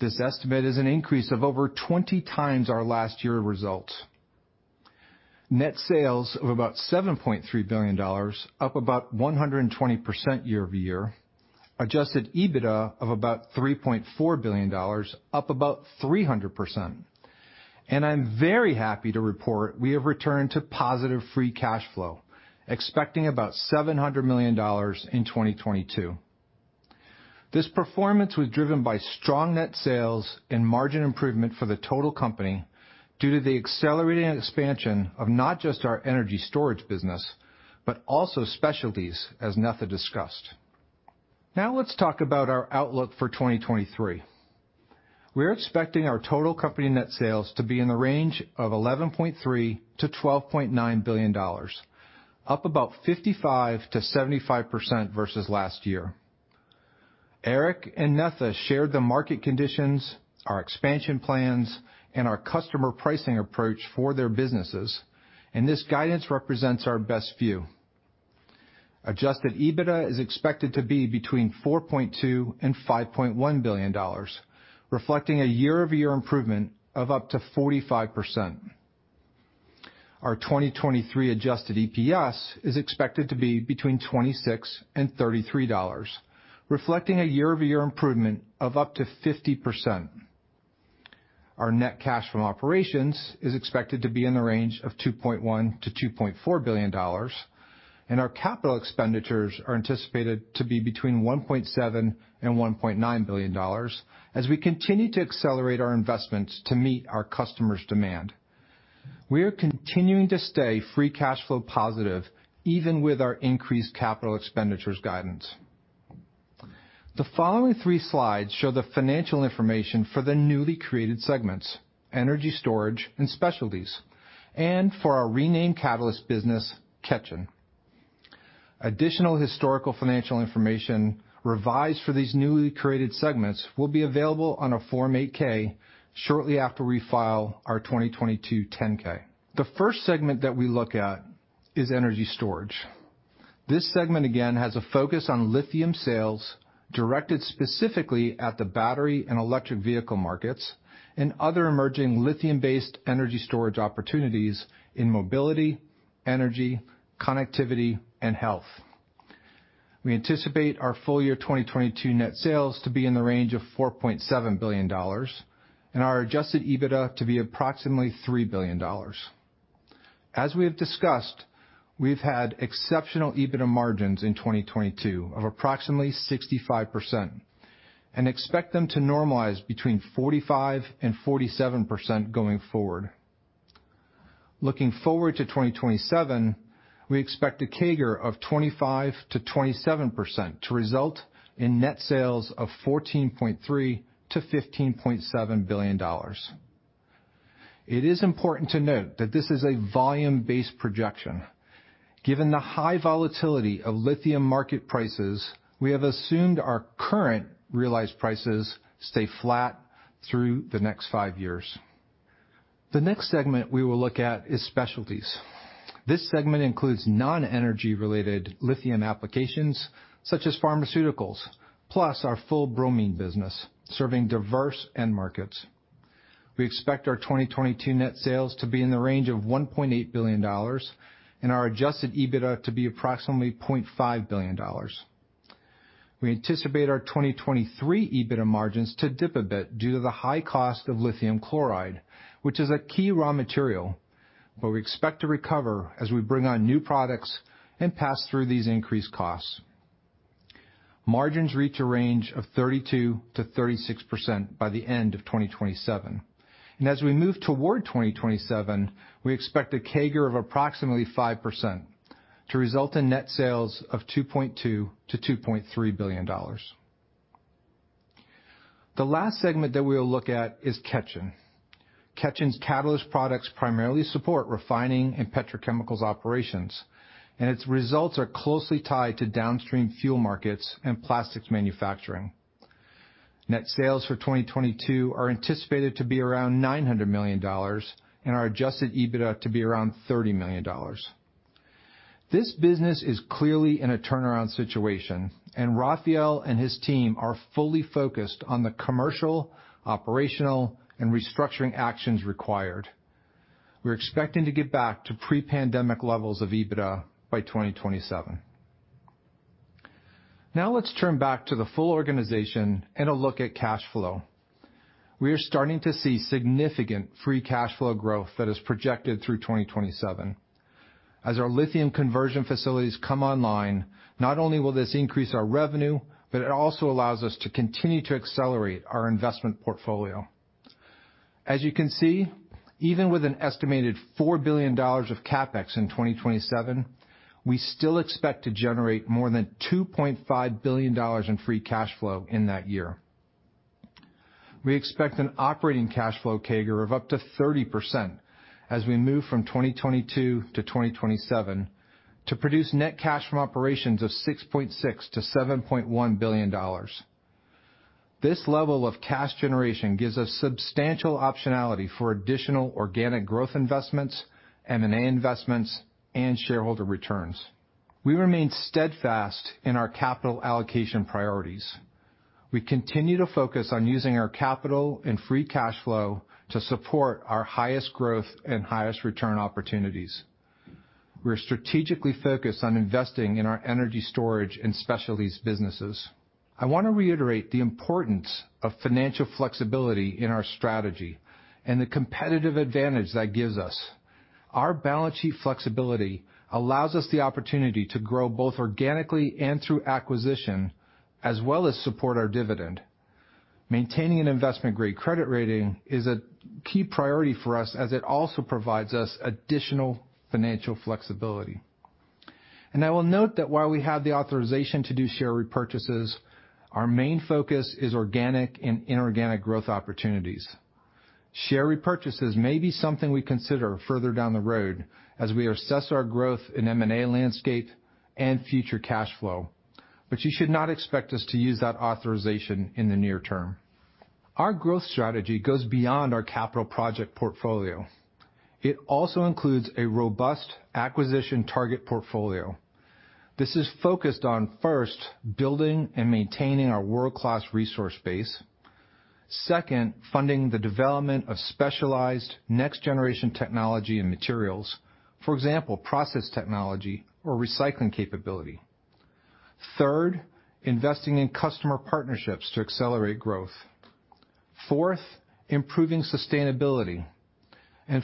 This estimate is an increase of over 20 times our last year results. Net sales of about $7.3 billion, up about 120% year-over-year, Adjusted EBITDA of about $3.4 billion, up about 300%. I'm very happy to report we have returned to positive free cash flow, expecting about $700 million in 2022. This performance was driven by strong net sales and margin improvement for the total company due to the accelerating expansion of not just our energy storage business, but also Specialties, as Netha discussed. Now let's talk about our outlook for 2023. We're expecting our total company net sales to be in the range of $11.3 billion-$12.9 billion, up about 55%-75% versus last year. Eric and Netha shared the market conditions, our expansion plans, and our customer pricing approach for their businesses. This guidance represents our best view. Adjusted EBITDA is expected to be between $4.2 billion and $5.1 billion, reflecting a year-over-year improvement of up to 45%. Our 2023 adjusted EPS is expected to be between $26 and $33, reflecting a year-over-year improvement of up to 50%. Our net cash from operations is expected to be in the range of $2.1 billion-$2.4 billion. Our capital expenditures are anticipated to be between $1.7 billion and $1.9 billion as we continue to accelerate our investments to meet our customers' demand. We are continuing to stay free cash flow positive even with our increased capital expenditures guidance. The following three slides show the financial information for the newly created segments, Energy Storage and Specialties, and for our renamed Catalyst business, Ketjen. Additional historical financial information revised for these newly created segments will be available on a Form 8-K shortly after we file our 2022 10-K. The first segment that we look at is Energy Storage. This segment, again, has a focus on lithium sales directed specifically at the battery and electric vehicle markets and other emerging lithium-based energy storage opportunities in mobility, energy, connectivity, and health. We anticipate our full year 2022 net sales to be in the range of $4.7 billion and our Adjusted EBITDA to be approximately $3 billion. As we have discussed, we've had exceptional EBITDA margins in 2022 of approximately 65% and expect them to normalize between 45% and 47% going forward. Looking forward to 2027, we expect a CAGR of 25%-27% to result in net sales of $14.3 billion-$15.7 billion. It is important to note that this is a volume-based projection. Given the high volatility of lithium market prices, we have assumed our current realized prices stay flat through the next five years. The next segment we will look at is Specialties. This segment includes non-energy related lithium applications such as pharmaceuticals, plus our full bromine business, serving diverse end markets. We expect our 2022 net sales to be in the range of $1.8 billion and our Adjusted EBITDA to be approximately $0.5 billion. We anticipate our 2023 EBITDA margins to dip a bit due to the high cost of lithium chloride, which is a key raw material, but we expect to recover as we bring on new products and pass through these increased costs. Margins reach a range of 32%-36% by the end of 2027. As we move toward 2027, we expect a CAGR of approximately 5% to result in net sales of $2.2 billion-$2.3 billion. The last segment that we'll look at is Ketjen. Ketjen's Catalyst products primarily support refining and petrochemicals operations, and its results are closely tied to downstream fuel markets and plastics manufacturing. Net sales for 2022 are anticipated to be around $900 million and our Adjusted EBITDA to be around $30 million. This business is clearly in a turnaround situation, and Raphael and his team are fully focused on the commercial, operational, and restructuring actions required. We're expecting to get back to pre-pandemic levels of EBITDA by 2027. Now let's turn back to the full organization and a look at cash flow. We are starting to see significant free cash flow growth that is projected through 2027. As our lithium conversion facilities come online, not only will this increase our revenue, but it also allows us to continue to accelerate our investment portfolio. As you can see, even with an estimated $4 billion of CapEx in 2027, we still expect to generate more than $2.5 billion in free cash flow in that year. We expect an operating cash flow CAGR of up to 30% as we move from 2022-2027 to produce net cash from operations of $6.6 billion-$7.1 billion. This level of cash generation gives us substantial optionality for additional organic growth investments, M&A investments, and shareholder returns. We remain steadfast in our capital allocation priorities. We continue to focus on using our capital and free cash flow to support our highest growth and highest return opportunities. We're strategically focused on investing in our energy storage and specialties businesses. I wanna reiterate the importance of financial flexibility in our strategy and the competitive advantage that gives us. Our balance sheet flexibility allows us the opportunity to grow both organically and through acquisition, as well as support our dividend. Maintaining an investment-grade credit rating is a key priority for us, as it also provides us additional financial flexibility. I will note that while we have the authorization to do share repurchases, our main focus is organic and inorganic growth opportunities. Share repurchases may be something we consider further down the road as we assess our growth in M&A landscape and future cash flow. You should not expect us to use that authorization in the near term. Our growth strategy goes beyond our capital project portfolio. It also includes a robust acquisition target portfolio. This is focused on, first, building and maintaining our world-class resource base. Second, funding the development of specialized next-generation technology and materials, for example, process technology or recycling capability. Third, investing in customer partnerships to accelerate growth. Fourth, improving sustainability.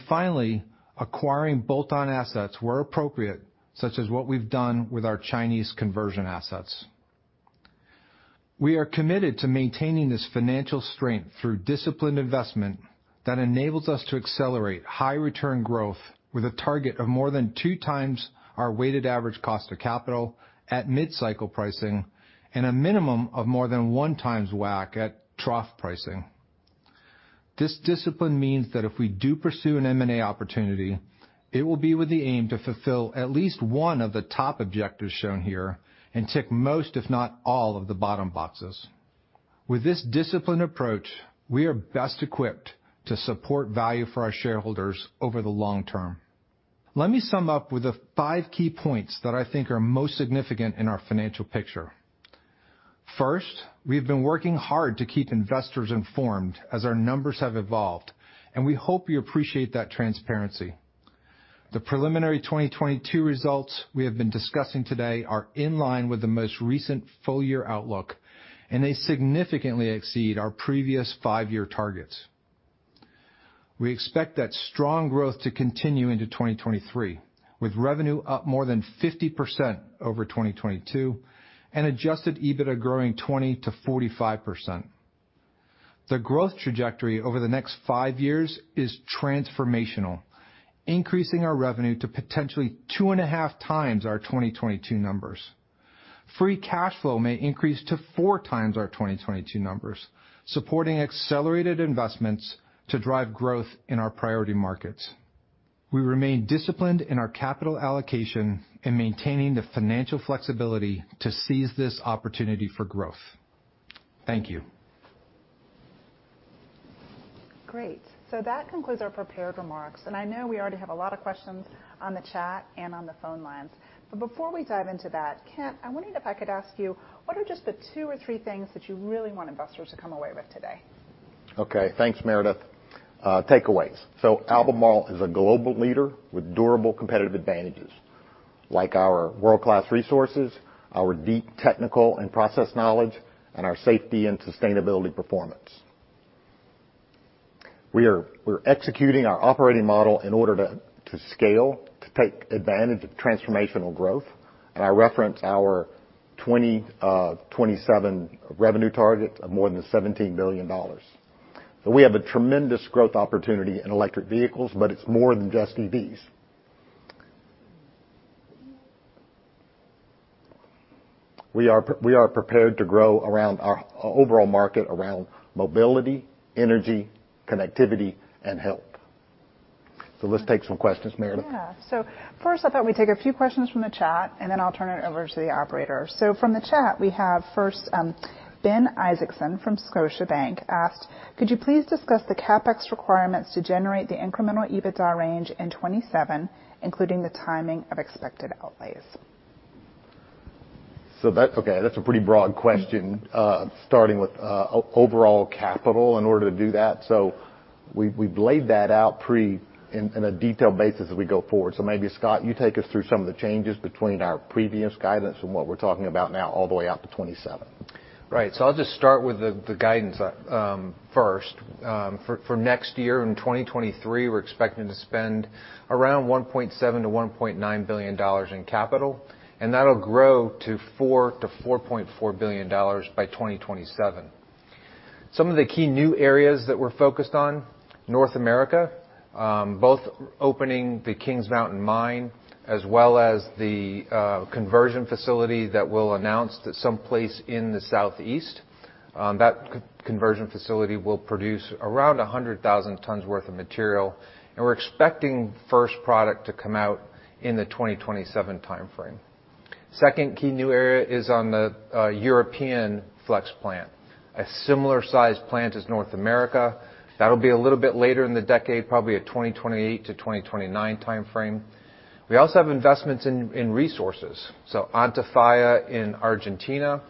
Finally, acquiring bolt-on assets where appropriate, such as what we've done with our Chinese conversion assets. We are committed to maintaining this financial strength through disciplined investment that enables us to accelerate high-return growth with a target of more than two times our weighted average cost of capital at mid-cycle pricing and a minimum of more than one times WACC at trough pricing. This discipline means that if we do pursue an M&A opportunity, it will be with the aim to fulfill at least one of the top objectives shown here and tick most, if not all, of the bottom boxes. With this disciplined approach, we are best equipped to support value for our shareholders over the long term. Let me sum up with the five key points that I think are most significant in our financial picture. First, we've been working hard to keep investors informed as our numbers have evolved, and we hope you appreciate that transparency. The preliminary 2022 results we have been discussing today are in line with the most recent full-year outlook, and they significantly exceed our previous five-year targets. We expect that strong growth to continue into 2023, with revenue up more than 50% over 2022 and Adjusted EBITDA growing 20%-45%. The growth trajectory over the next five years is transformational, increasing our revenue to potentially 2.5x our 2022 numbers. Free cash flow may increase to 4x our 2022 numbers, supporting accelerated investments to drive growth in our priority markets. Thank you. Great. That concludes our prepared remarks, and I know we already have a lot of questions on the chat and on the phone lines. Before we dive into that, Kent, I'm wondering if I could ask you, what are just the two or three things that you really want investors to come away with today? Okay. Thanks, Meredith. Takeaways. Albemarle is a global leader with durable competitive advantages, like our world-class resources, our deep technical and process knowledge, and our safety and sustainability performance. We're executing our operating model in order to scale, to take advantage of transformational growth, and I reference our 2027 revenue targets of more than $17 billion. We have a tremendous growth opportunity in electric vehicles, but it's more than just EVs. We are prepared to grow around our overall market around mobility, energy, connectivity, and health. Let's take some questions, Meredith. Yeah. First I thought we'd take a few questions from the chat, and then I'll turn it over to the operator. From the chat, we have first, Ben Isaacson from Scotiabank asked, "Could you please discuss the CapEx requirements to generate the incremental EBITDA range in 2027, including the timing of expected outlays? That. Okay, that's a pretty broad question, starting with overall capital in order to do that. We've laid that out pre in a detailed basis as we go forward. Maybe, Scott, you take us through some of the changes between our previous guidance and what we're talking about now all the way out to 2027. Right. I'll just start with the guidance first. For next year in 2023, we're expecting to spend around $1.7 billion-$1.9 billion in capital, and that'll grow to $4 billion-$4.4 billion by 2027. Some of the key new areas that we're focused on, North America, both opening the Kings Mountain mine as well as the conversion facility that we'll announce that's someplace in the Southeast. That conversion facility will produce around 100,000 tons worth of material, and we're expecting first product to come out in the 2027 timeframe. Second key new area is on the European flex plant, a similar size plant as North America. That'll be a little bit later in the decade, probably a 2028-2029 timeframe. We also have investments in resources. Antofalla in Argentina,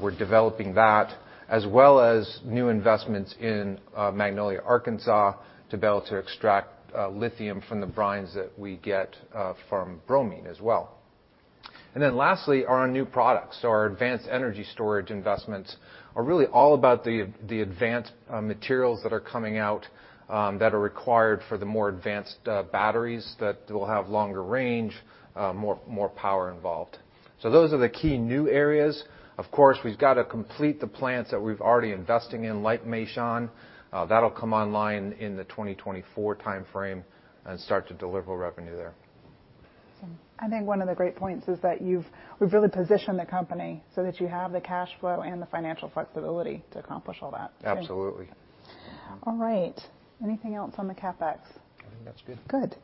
we're developing that, as well as new investments in Magnolia, Arkansas, to be able to extract lithium from the brines that we get from bromine as well. Lastly, our new products. Our advanced energy storage investments are really all about the advanced materials that are coming out that are required for the more advanced batteries that will have longer range, more power involved. Those are the key new areas. Of course, we've got to complete the plants that we've already investing in, like Meishan. That'll come online in the 2024 timeframe and start to deliver revenue there. I think one of the great points is that we've really positioned the company so that you have the cash flow and the financial flexibility to accomplish all that. Absolutely. All right. Anything else on the CapEx? I think that's good. Good.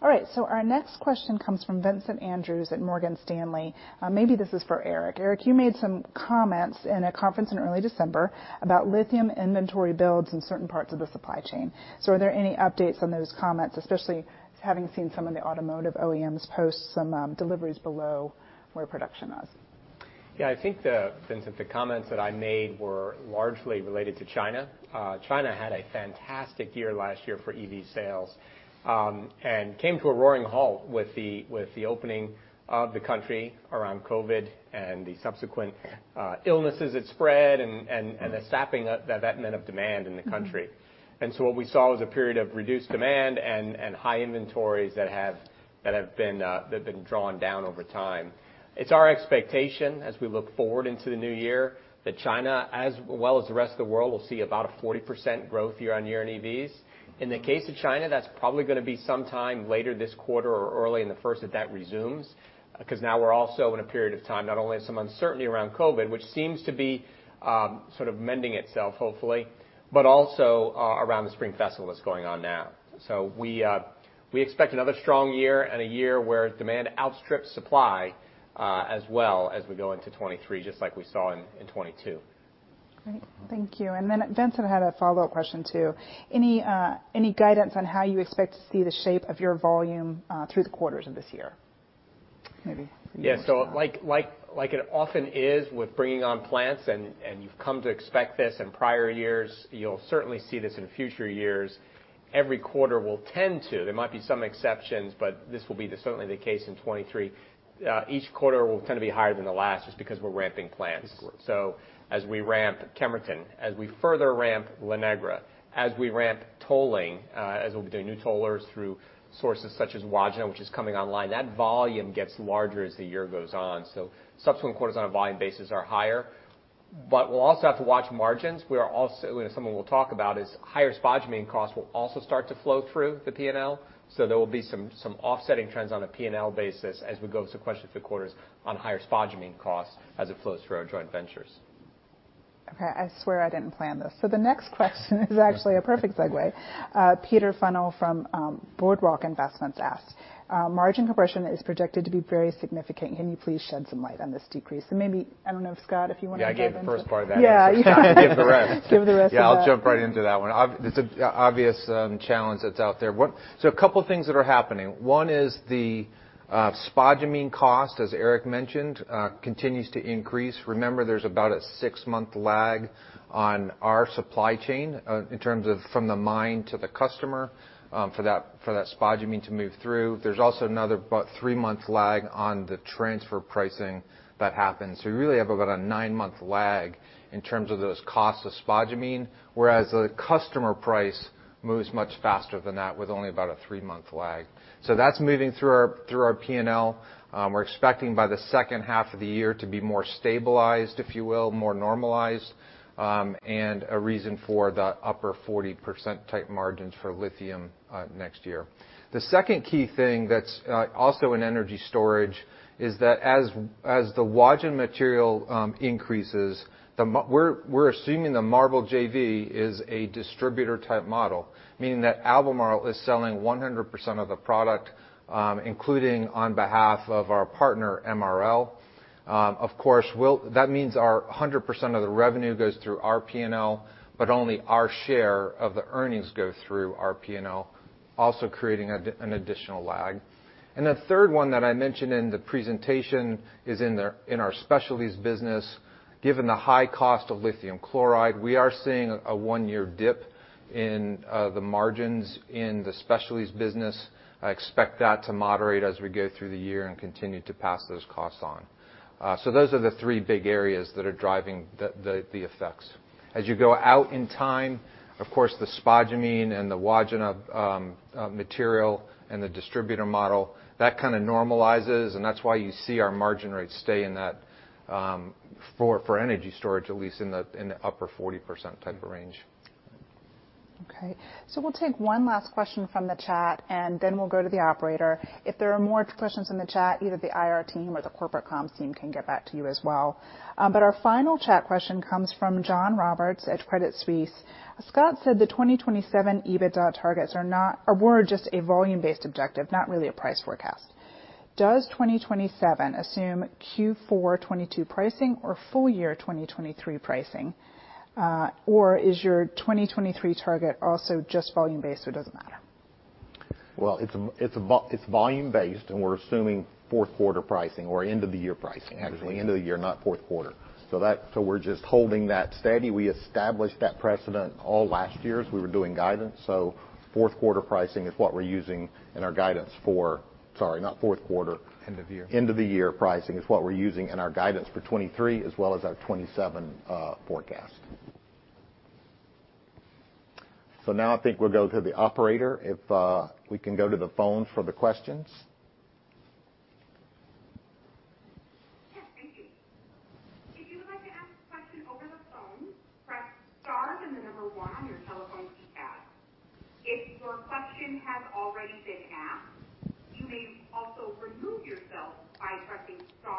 All right. Our next question comes from Vincent Andrews at Morgan Stanley. Maybe this is for Eric. Eric, you made some comments in a conference in early December about lithium inventory builds in certain parts of the supply chain. Are there any updates on those comments, especially having seen some of the automotive OEMs post some deliveries below where production was? I think the, Vincent, the comments that I made were largely related to China. China had a fantastic year last year for EV sales, and came to a roaring halt with the opening of the country around COVID and the subsequent illnesses that spread and the sapping that meant of demand in the country. What we saw was a period of reduced demand and high inventories that have been drawn down over time. It's our expectation as we look forward into the new year that China, as well as the rest of the world, will see about a 40% growth year-on-year in EVs. In the case of China, that's probably gonna be sometime later this quarter or early in the first that resumes, because now we're also in a period of time, not only some uncertainty around COVID, which seems to be sort of mending itself, hopefully, but also around the Spring Festival that's going on now. We expect another strong year and a year where demand outstrips supply, as well as we go into 2023, just like we saw in 2022. Great. Thank you. Vincent had a follow-up question too. Any guidance on how you expect to see the shape of your volume through the quarters of this year? Maybe for you, Scott. Yeah. like it often is with bringing on plants, and you've come to expect this in prior years, you'll certainly see this in future years, every quarter will tend to, there might be some exceptions, but this will be certainly the case in 2023. Each quarter will tend to be higher than the last just because we're ramping plants. Absolutely. As we ramp Kemerton, as we further ramp La Negra, as we ramp tolling, as we'll be doing new tollers through sources such as Wodgina, which is coming online, that volume gets larger as the year goes on. Subsequent quarters on a volume basis are higher. We'll also have to watch margins. We are also, and something we'll talk about is higher spodumene costs will also start to flow through the P&L. There will be some offsetting trends on a P&L basis as we go through quarters to quarters on higher spodumene costs as it flows through our joint ventures. Okay. I swear I didn't plan this. The next question is actually a perfect segue. Peter Funnell from Boardwalk Investments asks, "Margin compression is projected to be very significant. Can you please shed some light on this decrease?" Maybe, I don't know, Scott, if you wanna dive into... Yeah, I gave the first part of that. Yeah. Scott, give the rest. Give the rest of that. Yeah, I'll jump right into that one. It's a obvious challenge that's out there. A couple things that are happening. One is the spodumene cost, as Eric mentioned, continues to increase. Remember, there's about a 6-month lag on our supply chain, in terms of from the mine to the customer, for that spodumene to move through. There's also another about 3-month lag on the transfer pricing that happens. You really have about a 9-month lag in terms of those costs of spodumene, whereas the customer price moves much faster than that, with only about a 3-month lag. That's moving through our, through our P&L. We're expecting by the second half of the year to be more stabilized, if you will, more normalized, a reason for the upper 40% type margins for lithium next year. The second key thing that's also in energy storage is that as the Wodgina material increases, we're assuming the MARBL JV is a distributor-type model, meaning that Albemarle is selling 100% of the product, including on behalf of our partner, MRL. Of course, that means our 100% of the revenue goes through our P&L, only our share of the earnings go through our P&L, also creating an additional lag. The third one that I mentioned in the presentation is in our Specialties business. Given the high cost of lithium chloride, we are seeing a one-year dip in the margins in the specialties business. I expect that to moderate as we go through the year and continue to pass those costs on. Those are the three big areas that are driving the effects. As you go out in time, of course, the spodumene and the Wodgina material and the distributor model, that kinda normalizes, and that's why you see our margin rates stay in that for energy storage, at least in the upper 40% type of range. Okay. We'll take one last question from the chat, we'll go to the operator. If there are more questions in the chat, either the IR team or the corporate comms team can get back to you as well. Our final chat question comes from John Roberts at Credit Suisse: "Scott said the 2027 EBITDA targets were just a volume-based objective, not really a price forecast. Does 2027 assume Q4 2022 pricing or full year 2023 pricing? Is your 2023 target also just volume-based, or it doesn't matter? Well, it's volume based, and we're assuming fourth quarter pricing or end of the year pricing, actually. End of the year, not fourth quarter. We're just holding that steady. We established that precedent all last year as we were doing guidance, fourth quarter pricing is what we're using in our guidance for... Sorry, not fourth quarter. End of year. End of the year pricing is what we're using in our guidance for 2023 as well as our 2027 forecast. Now I think we'll go to the operator, if we can go to the phones for the questions.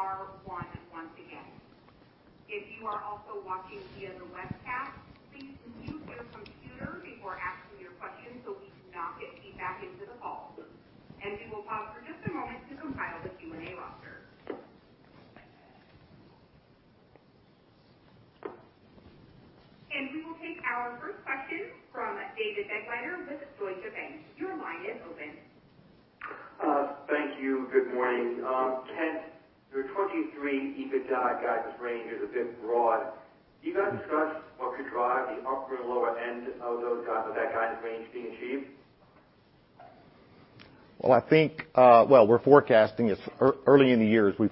Yes, thank you. If you would like to ask a question over the phone, press star then one on your telephone keypad. If your question has already been asked, you may also remove yourself by pressing star one once again. If you are also watching via the webcast, please mute your computer before asking your question so we do not get feedback into the call. We will pause for just a moment to compile the Q&A roster. We will take our first question from David Begleiter with Deutsche Bank. Your line is open. Thank you. Good morning. Kent, your 2023 EBITDA guidance range is a bit broad. Can you kind of discuss what could drive the upper and lower end of that guidance range being achieved? I think, Well, we're forecasting it's early in the year as we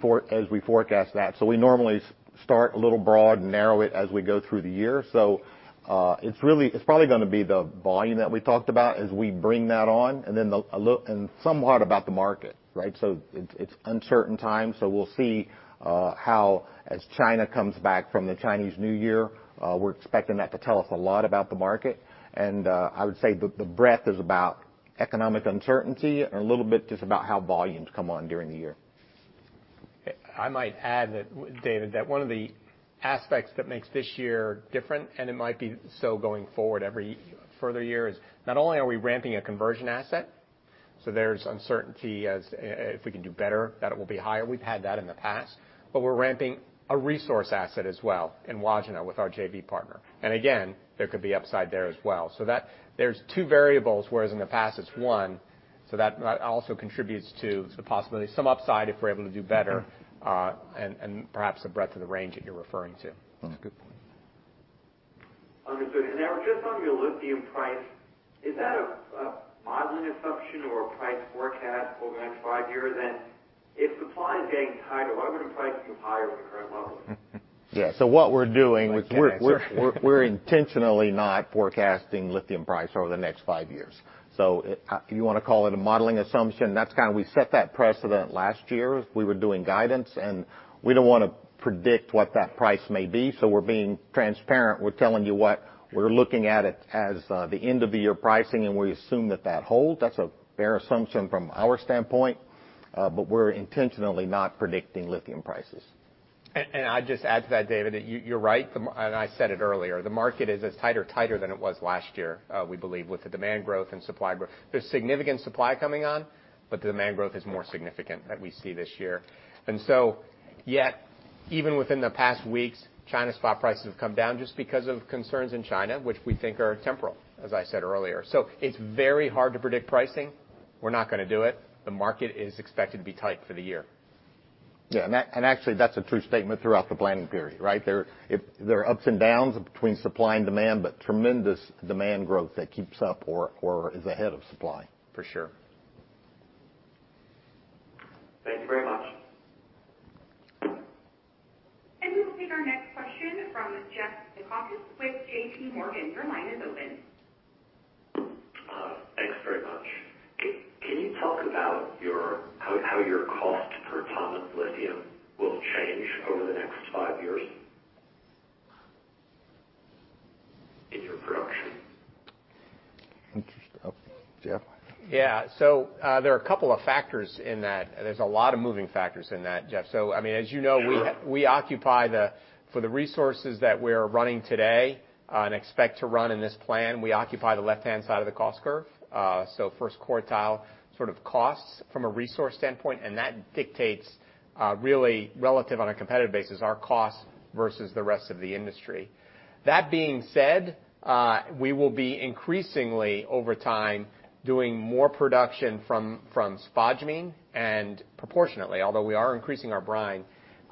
forecast that. We normally start a little broad and narrow it as we go through the year. It's probably gonna be the volume that we talked about as we bring that on and then somewhat about the market, right? It's, it's uncertain time, so we'll see how as China comes back from the Chinese New Year, we're expecting that to tell us a lot about the market. I would say the breadth is about economic uncertainty and a little bit just about how volumes come on during the year. I might add that, David, that one of the aspects that makes this year different, and it might be so going forward every further year, is not only are we ramping a conversion asset, so there's uncertainty as if we can do better, that it will be higher. We've had that in the past. We're ramping a resource asset as well in Gwaja with our JV partner. Again, there could be upside there as well. That there's two variables, whereas in the past it's one, so that also contributes to the possibility some upside if we're able to do better, and perhaps the breadth of the range that you're referring to. That's a good point. Understood. Now just on your lithium price, is that a modeling assumption or a price forecast over the next five years? If supply is getting tighter, why wouldn't price be higher than current levels? Yeah. what we're doing- Nice answer. We're intentionally not forecasting lithium price over the next five years. If you wanna call it a modeling assumption, that's kind of we set that precedent last year as we were doing guidance. We don't wanna predict what that price may be, so we're being transparent. We're telling you what we're looking at it as the end of year pricing. We assume that that holds. That's a fair assumption from our standpoint. We're intentionally not predicting lithium prices. I'd just add to that, David, that you're right. I said it earlier. The market is tighter than it was last year, we believe, with the demand growth and supply growth. There's significant supply coming on, but the demand growth is more significant that we see this year. Yet, even within the past weeks, China spot prices have come down just because of concerns in China, which we think are temporal, as I said earlier. It's very hard to predict pricing. We're not gonna do it. The market is expected to be tight for the year. Yeah. Actually, that's a true statement throughout the planning period, right? There are ups and downs between supply and demand, but tremendous demand growth that keeps up or is ahead of supply. For sure. Thanks very much. We will take our next question from Jeffrey Zekauskas with J.P. Morgan. Your line is open. Thanks very much. Can you talk about how your cost per ton of lithium will change over the next five years in your production? Interesting. Jeff? Yeah. There are a couple of factors in that. There's a lot of moving factors in that, Jeff. I mean, as you know- Sure... we occupy for the resources that we're running today, and expect to run in this plan, we occupy the left-hand side of the cost curve. First quartile sort of costs from a resource standpoint, and that dictates really relative on a competitive basis, our cost versus the rest of the industry. That being said, we will be increasingly, over time, doing more production from spodumene and proportionately, although we are increasing our brine,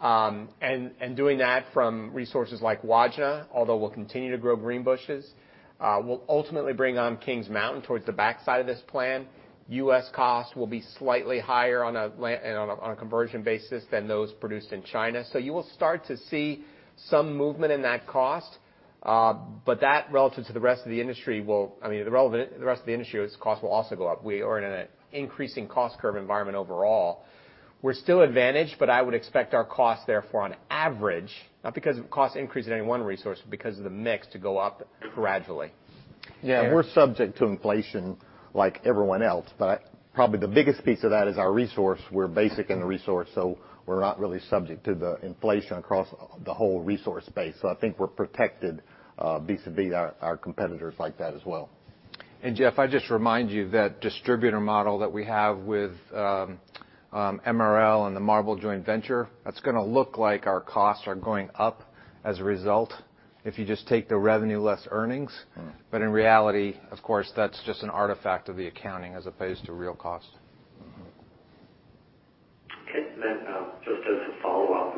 and doing that from resources like Gwaja, although we'll continue to grow Greenbushes, we'll ultimately bring on Kings Mountain towards the backside of this plan. U.S. costs will be slightly higher on a conversion basis than those produced in China. You will start to see some movement in that cost, but that relative to the rest of the industry will I mean, the rest of the industry's cost will also go up. We are in an increasing cost curve environment overall. We're still advantaged, but I would expect our cost therefore on average, not because of cost increase in any one resource, but because of the mix to go up gradually. Yeah. We're subject to inflation like everyone else, but probably the biggest piece of that is our resource. We're basic in the resource, so we're not really subject to the inflation across the whole resource space. I think we're protected vis-à-vis our competitors like that as well. Jeff, I just remind you that distributor model that we have with MRL and the MARBL joint venture, that's gonna look like our costs are going up as a result if you just take the revenue less earnings. In reality, of course, that's just an artifact of the accounting as opposed to real cost. Okay. Just as a follow-up,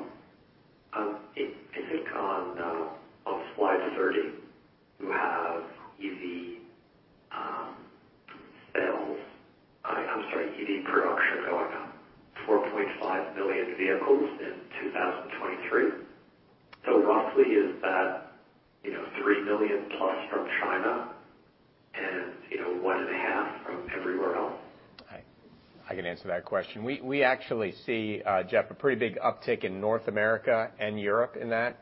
I think on on slide 30, you have EV sales. I'm sorry, EV production going up 4.5 million vehicles in 2023. Roughly is that, you know, 3 million plus from China and, you know, 1.5 from everywhere else? I can answer that question. We actually see, Jeff, a pretty big uptick in North America and Europe in that.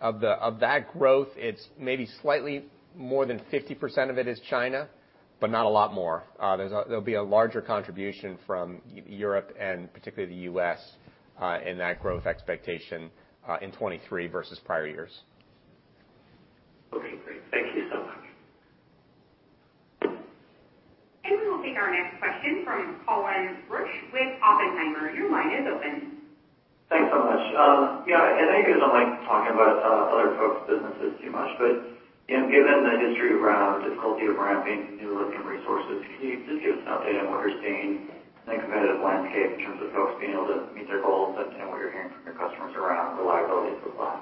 Of that growth, it's maybe slightly more than 50% of it is China, but not a lot more. There'll be a larger contribution from Europe and particularly the U.S., in that growth expectation in 2023 versus prior years. Okay, great. Thank you so much. We will take our next question from Colin Rusch with Oppenheimer. Your line is open. Thanks so much. Yeah, I know you guys don't like talking about other folks' businesses too much. You know, given the history around the difficulty of ramping new lithium resources, can you just give us an update on what you're seeing in the competitive landscape in terms of folks being able to meet their goals and what you're hearing from your customers around reliability of supply?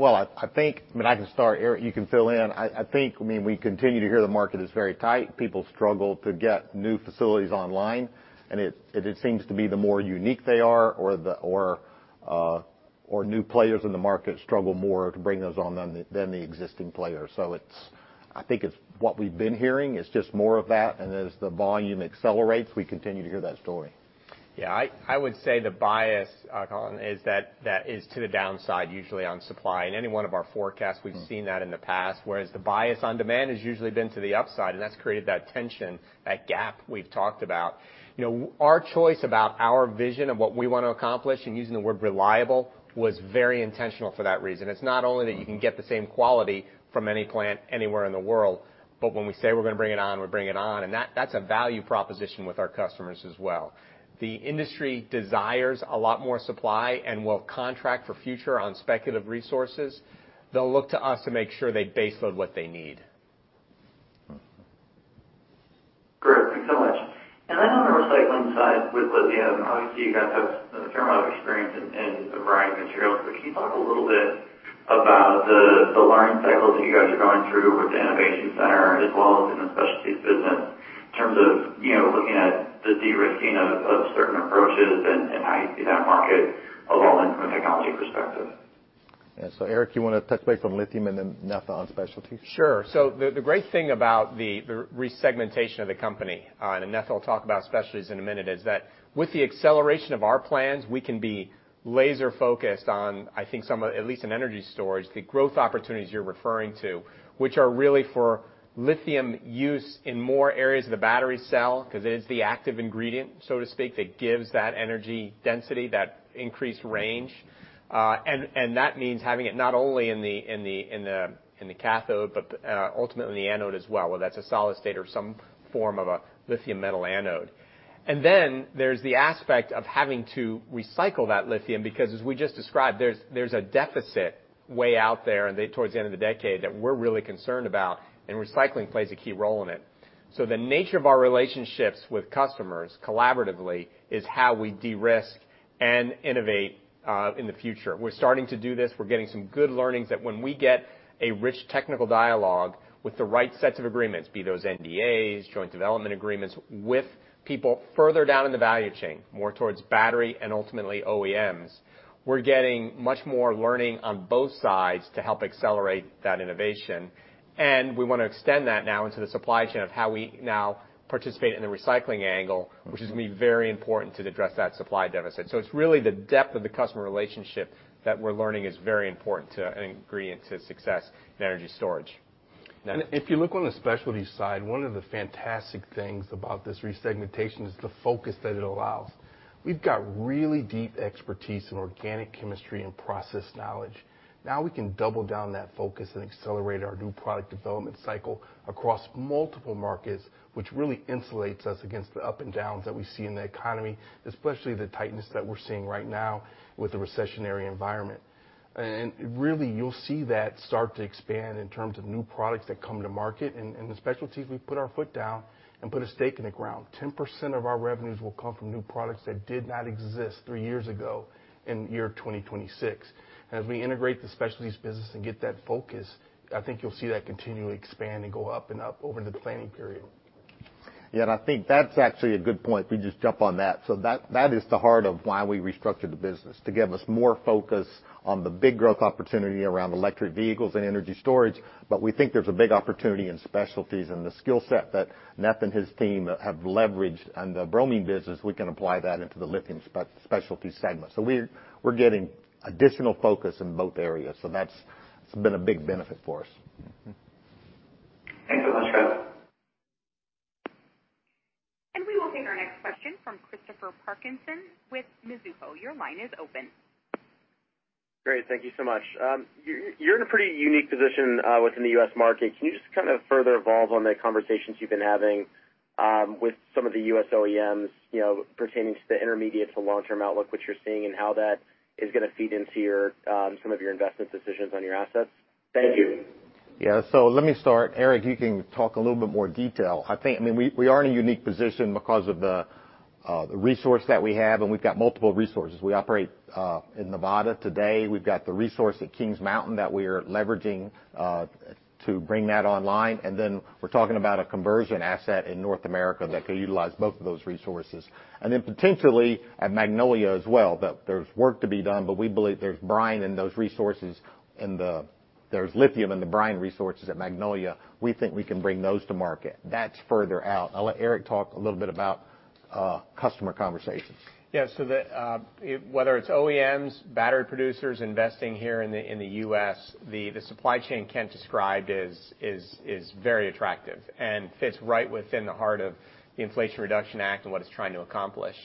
Well, I think, I mean, I can start. Eric, you can fill in. I think, I mean, we continue to hear the market is very tight. People struggle to get new facilities online, it seems to be the more unique they are or new players in the market struggle more to bring those on than the existing players. I think it's what we've been hearing. It's just more of that. As the volume accelerates, we continue to hear that story. Yeah. I would say the bias, Colin, is that is to the downside usually on supply. In any one of our forecasts we've seen that in the past, whereas the bias on demand has usually been to the upside, that's created that tension, that gap we've talked about. You know, our choice about our vision of what we want to accomplish and using the word reliable was very intentional for that reason. It's not only that you can get the same quality from any plant anywhere in the world, but when we say we're gonna bring it on, we bring it on. That, that's a value proposition with our customers as well. The industry desires a lot more supply and will contract for future on speculative resources. They'll look to us to make sure they base load what they need. Great. Thank you so much. On the recycling side with lithium, obviously, you guys have a fair amount of experience in the brine materials, but can you talk a little bit about the learning cycles that you guys are going through with the innovation center as well as in the Specialties business in terms of, you know, looking at the de-risking of certain approaches and how you see that market evolving from a technology perspective? Yeah. Eric, you wanna touch base on lithium and then Netha on specialties? Sure. The great thing about the resegmentation of the company, and Netha will talk about specialties in a minute, is that with the acceleration of our plans, we can be laser-focused on, I think, some of, at least in Energy Storage, the growth opportunities you're referring to, which are really for lithium use in more areas of the battery cell because it is the active ingredient, so to speak, that gives that energy density, that increased range. And that means having it not only in the cathode, but ultimately the anode as well, whether that's a solid-state or some form of a lithium metal anode. Then there's the aspect of having to recycle that lithium because as we just described, there's a deficit way out there and towards the end of the decade that we're really concerned about, and recycling plays a key role in it. The nature of our relationships with customers collaboratively is how we de-risk and innovate in the future. We're starting to do this. We're getting some good learnings that when we get a rich technical dialogue with the right sets of agreements, be those NDAs, joint development agreements, with people further down in the value chain, more towards battery and ultimately OEMs, we're getting much more learning on both sides to help accelerate that innovation. We wanna extend that now into the supply chain of how we now participate in the recycling angle, which is gonna be very important to address that supply deficit. It's really the depth of the customer relationship that we're learning is very important to an ingredient to success in energy storage. Netha. If you look on the specialties side, one of the fantastic things about this resegmentation is the focus that it allows. We've got really deep expertise in organic chemistry and process knowledge. Now we can double down that focus and accelerate our new product development cycle across multiple markets, which really insulates us against the up and downs that we see in the economy, especially the tightness that we're seeing right now with the recessionary environment. Really, you'll see that start to expand in terms of new products that come to market. In the specialties, we've put our foot down and put a stake in the ground. 10% of our revenues will come from new products that did not exist 3 years ago in the year 2026. As we integrate the specialties business and get that focus, I think you'll see that continue to expand and go up and up over the planning period. Yeah. I think that's actually a good point if we just jump on that. That is the heart of why we restructured the business, to give us more focus on the big growth opportunity around electric vehicles and energy storage. But we think there's a big opportunity in specialties and the skill set that Netha and his team have leveraged on the bromine business, we can apply that into the lithium specialty segment. We're getting additional focus in both areas. That's, it's been a big benefit for us. Thanks so much, guys. And we will take our next question from Christopher Parkinson with Mizuho. Your line is open. Great. Thank you so much. You're in a pretty unique position within the U.S. market. Can you just kind of further evolve on the conversations you've been having with some of the U.S. OEMs, you know, pertaining to the intermediate to long-term outlook, what you're seeing and how that is gonna feed into your some of your investment decisions on your assets? Thank you. Let me start. Eric, you can talk a little bit more detail. I mean, we are in a unique position because of the resource that we have, we've got multiple resources. We operate in Nevada today. We've got the resource at Kings Mountain that we are leveraging to bring that online. We're talking about a conversion asset in North America that could utilize both of those resources. Potentially at Magnolia as well, there's work to be done, but we believe there's brine in those resources there's lithium in the brine resources at Magnolia. We think we can bring those to market. That's further out. I'll let Eric talk a little bit about customer conversations. The whether it's OEMs, battery producers investing here in the, in the U.S., the supply chain Kent described is very attractive and fits right within the heart of the Inflation Reduction Act and what it's trying to accomplish.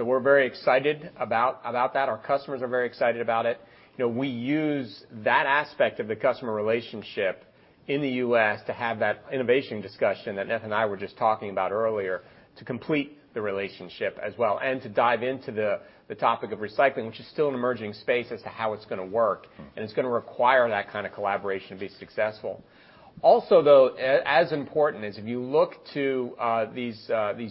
We're very excited about that. Our customers are very excited about it. You know, we use that aspect of the customer relationship in the U.S. to have that innovation discussion that Netha and I were just talking about earlier to complete the relationship as well, and to dive into the topic of recycling, which is still an emerging space as to how it's gonna work. It's gonna require that kind of collaboration to be successful. Also, though, as important is if you look to these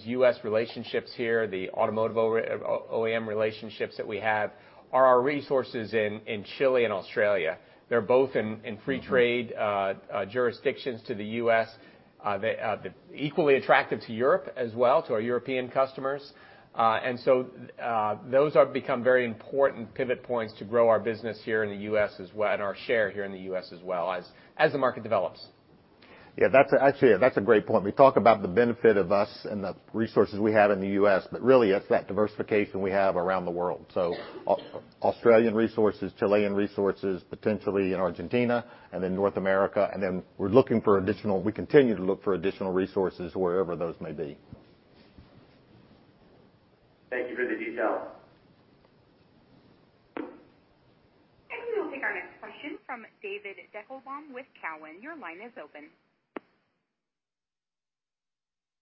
U.S. relationships here, the automotive OEM relationships that we have are our resources in Chile and Australia. They're both in free trade. ...jurisdictions to the U.S. They're equally attractive to Europe as well, to our European customers. Those are become very important pivot points to grow our business here in the U.S. as well, and our share here in the U.S. as well as the market develops. Yeah, actually, that's a great point. We talk about the benefit of us and the resources we have in the U.S., but really it's that diversification we have around the world. Australian resources, Chilean resources, potentially in Argentina and then North America. We continue to look for additional resources wherever those may be. Thank you for the detail. We will take our next question from David Deckelbaum with Cowen. Your line is open.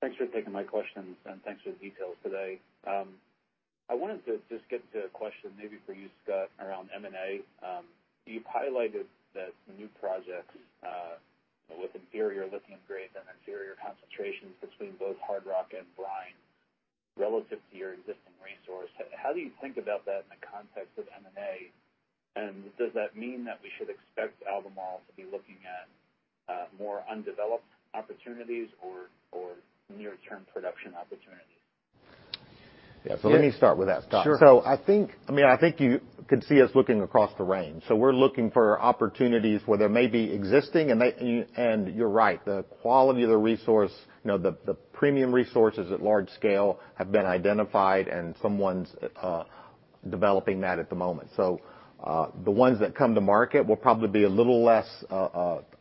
Thanks for taking my questions, and thanks for the details today. I wanted to just get to a question maybe for you, Scott, around M&A. You've highlighted that new projects, with inferior lithium grades and inferior concentrations between both hard rock and brine relative to your existing resource, how do you think about that in the context of M&A? Does that mean that we should expect Albemarle to be looking at more undeveloped opportunities or near-term production opportunities? Yeah. Yeah. Let me start with that, Scott. Sure. I mean, I think you can see us looking across the range. We're looking for opportunities where there may be existing and you're right, the quality of the resource, you know, the premium resources at large scale have been identified and someone's developing that at the moment. The ones that come to market will probably be a little less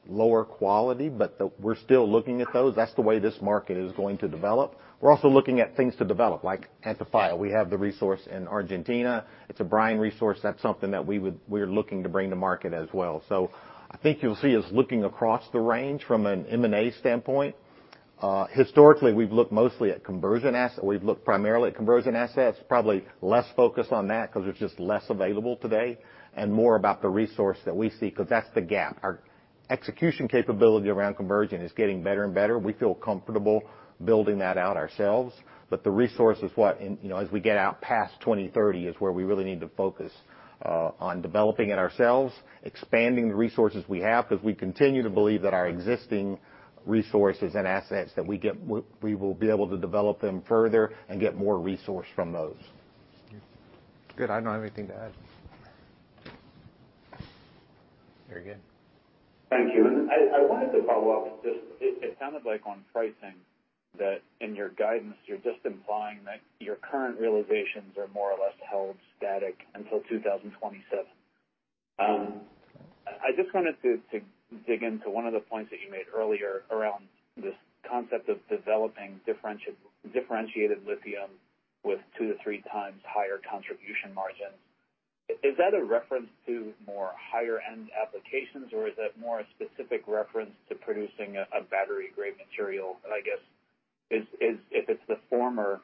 lower quality, but we're still looking at those. That's the way this market is going to develop. We're also looking at things to develop, like Antofalla. We have the resource in Argentina. It's a brine resource. That's something that we're looking to bring to market as well. I think you'll see us looking across the range from an M&A standpoint. Historically, we've looked mostly at conversion we've looked primarily at conversion assets, probably less focused on that 'cause there's just less available today, and more about the resource that we see 'cause that's the gap. Our execution capability around conversion is getting better and better. We feel comfortable building that out ourselves. The resource is what you know, as we get out past 2030 is where we really need to focus on developing it ourselves, expanding the resources we have, 'cause we continue to believe that our existing resources and assets that we get, we will be able to develop them further and get more resource from those. Good. I don't have anything to add. Very good. Thank you. I wanted to follow up with just, it sounded like on pricing that in your guidance, you're just implying that your current realizations are more or less held static until 2027. I just wanted to dig into one of the points that you made earlier around this concept of developing differentiated lithium with two to three times higher contribution margins. Is that a reference to more higher end applications, or is that more a specific reference to producing a battery-grade material? I guess, is if it's the former,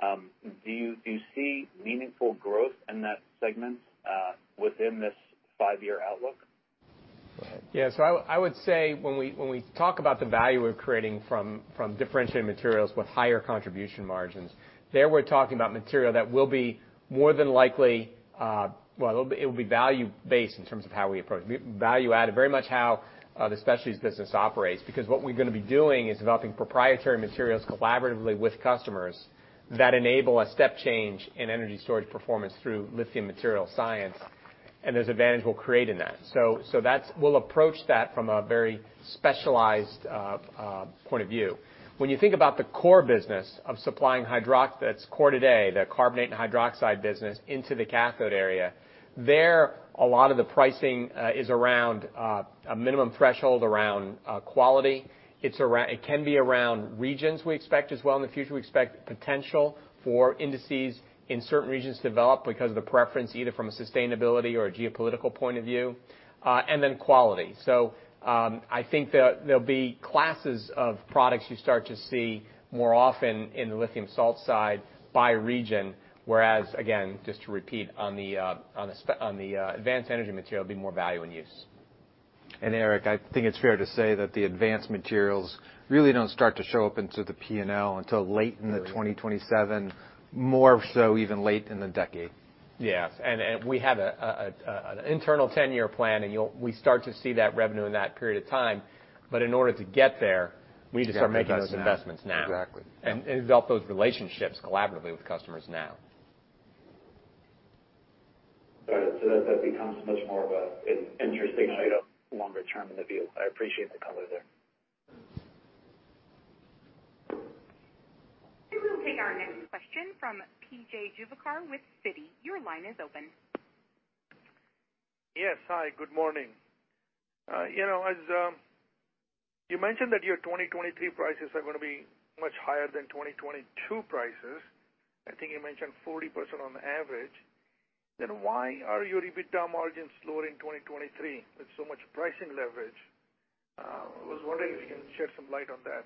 do you see meaningful growth in that segment within this five-year outlook? Go ahead. I would say when we talk about the value we're creating from differentiated materials with higher contribution margins, there we're talking about material that will be more than likely, well, it will be value based in terms of how we approach, value add, very much how the Albemarle Specialties business operates. What we're gonna be doing is developing proprietary materials collaboratively with customers that enable a step change in energy storage performance through lithium material science. There's advantage we'll create in that. We'll approach that from a very specialized point of view. When you think about the core business of supplying that's core today, the carbonate and hydroxide business into the cathode area, there, a lot of the pricing is around a minimum threshold around quality. It can be around regions we expect as well. In the future, we expect potential for indices in certain regions to develop because of the preference, either from a sustainability or a geopolitical point of view, and then quality. I think there'll be classes of products you start to see more often in the lithium salt side by region, whereas again, just to repeat on the advanced energy material, there'll be more value and use. Eric, I think it's fair to say that the advanced materials really don't start to show up into the P&L until late in 2027, more so even late in the decade. Yes. We have an internal 10-year plan, and we start to see that revenue in that period of time. In order to get there, we need to start making those investments now. Exactly. Develop those relationships collaboratively with customers now. Got it. That, that becomes much more of an interesting kind of longer-term in the view. I appreciate the color there. We'll take our next question from P.J. Juvekar with Citi. Your line is open. Hi, good morning. You know, as you mentioned that your 2023 prices are gonna be much higher than 2022 prices, I think you mentioned 40% on average, then why are your EBITDA margins lower in 2023 with so much pricing leverage? I was wondering if you can shed some light on that.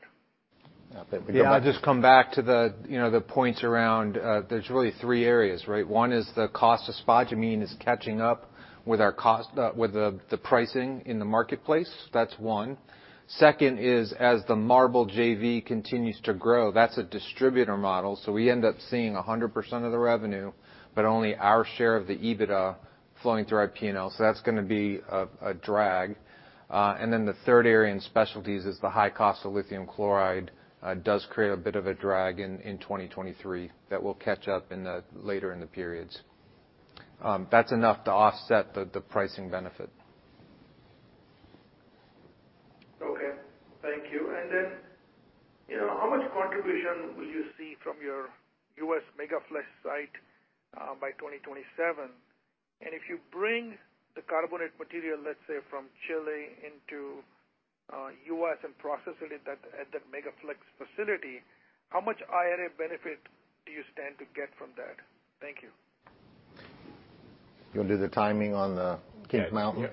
I'll just come back to the, you know, the points around, there's really three areas, right? one is the cost of spodumene is catching up with our cost, with the pricing in the marketplace. That's one. Second is, as the MARBL JV continues to grow, that's a distributor model, we end up seeing 100% of the revenue, but only our share of the EBITDA flowing through our P&L. That's gonna be a drag. Then the 3rd area in specialties is the high cost of lithium chloride, does create a bit of a drag in 2023 that will catch up in the, later in the periods. That's enough to offset the pricing benefit. Okay. Thank you. Then, you know, how much contribution will you see from your U.S. Mega-Flex site by 2027? If you bring the carbonate material, let's say, from Chile into U.S. and process it at that Mega-Flex facility, how much IRA benefit do you stand to get from that? Thank you. You wanna do the timing on the Kings Mountain?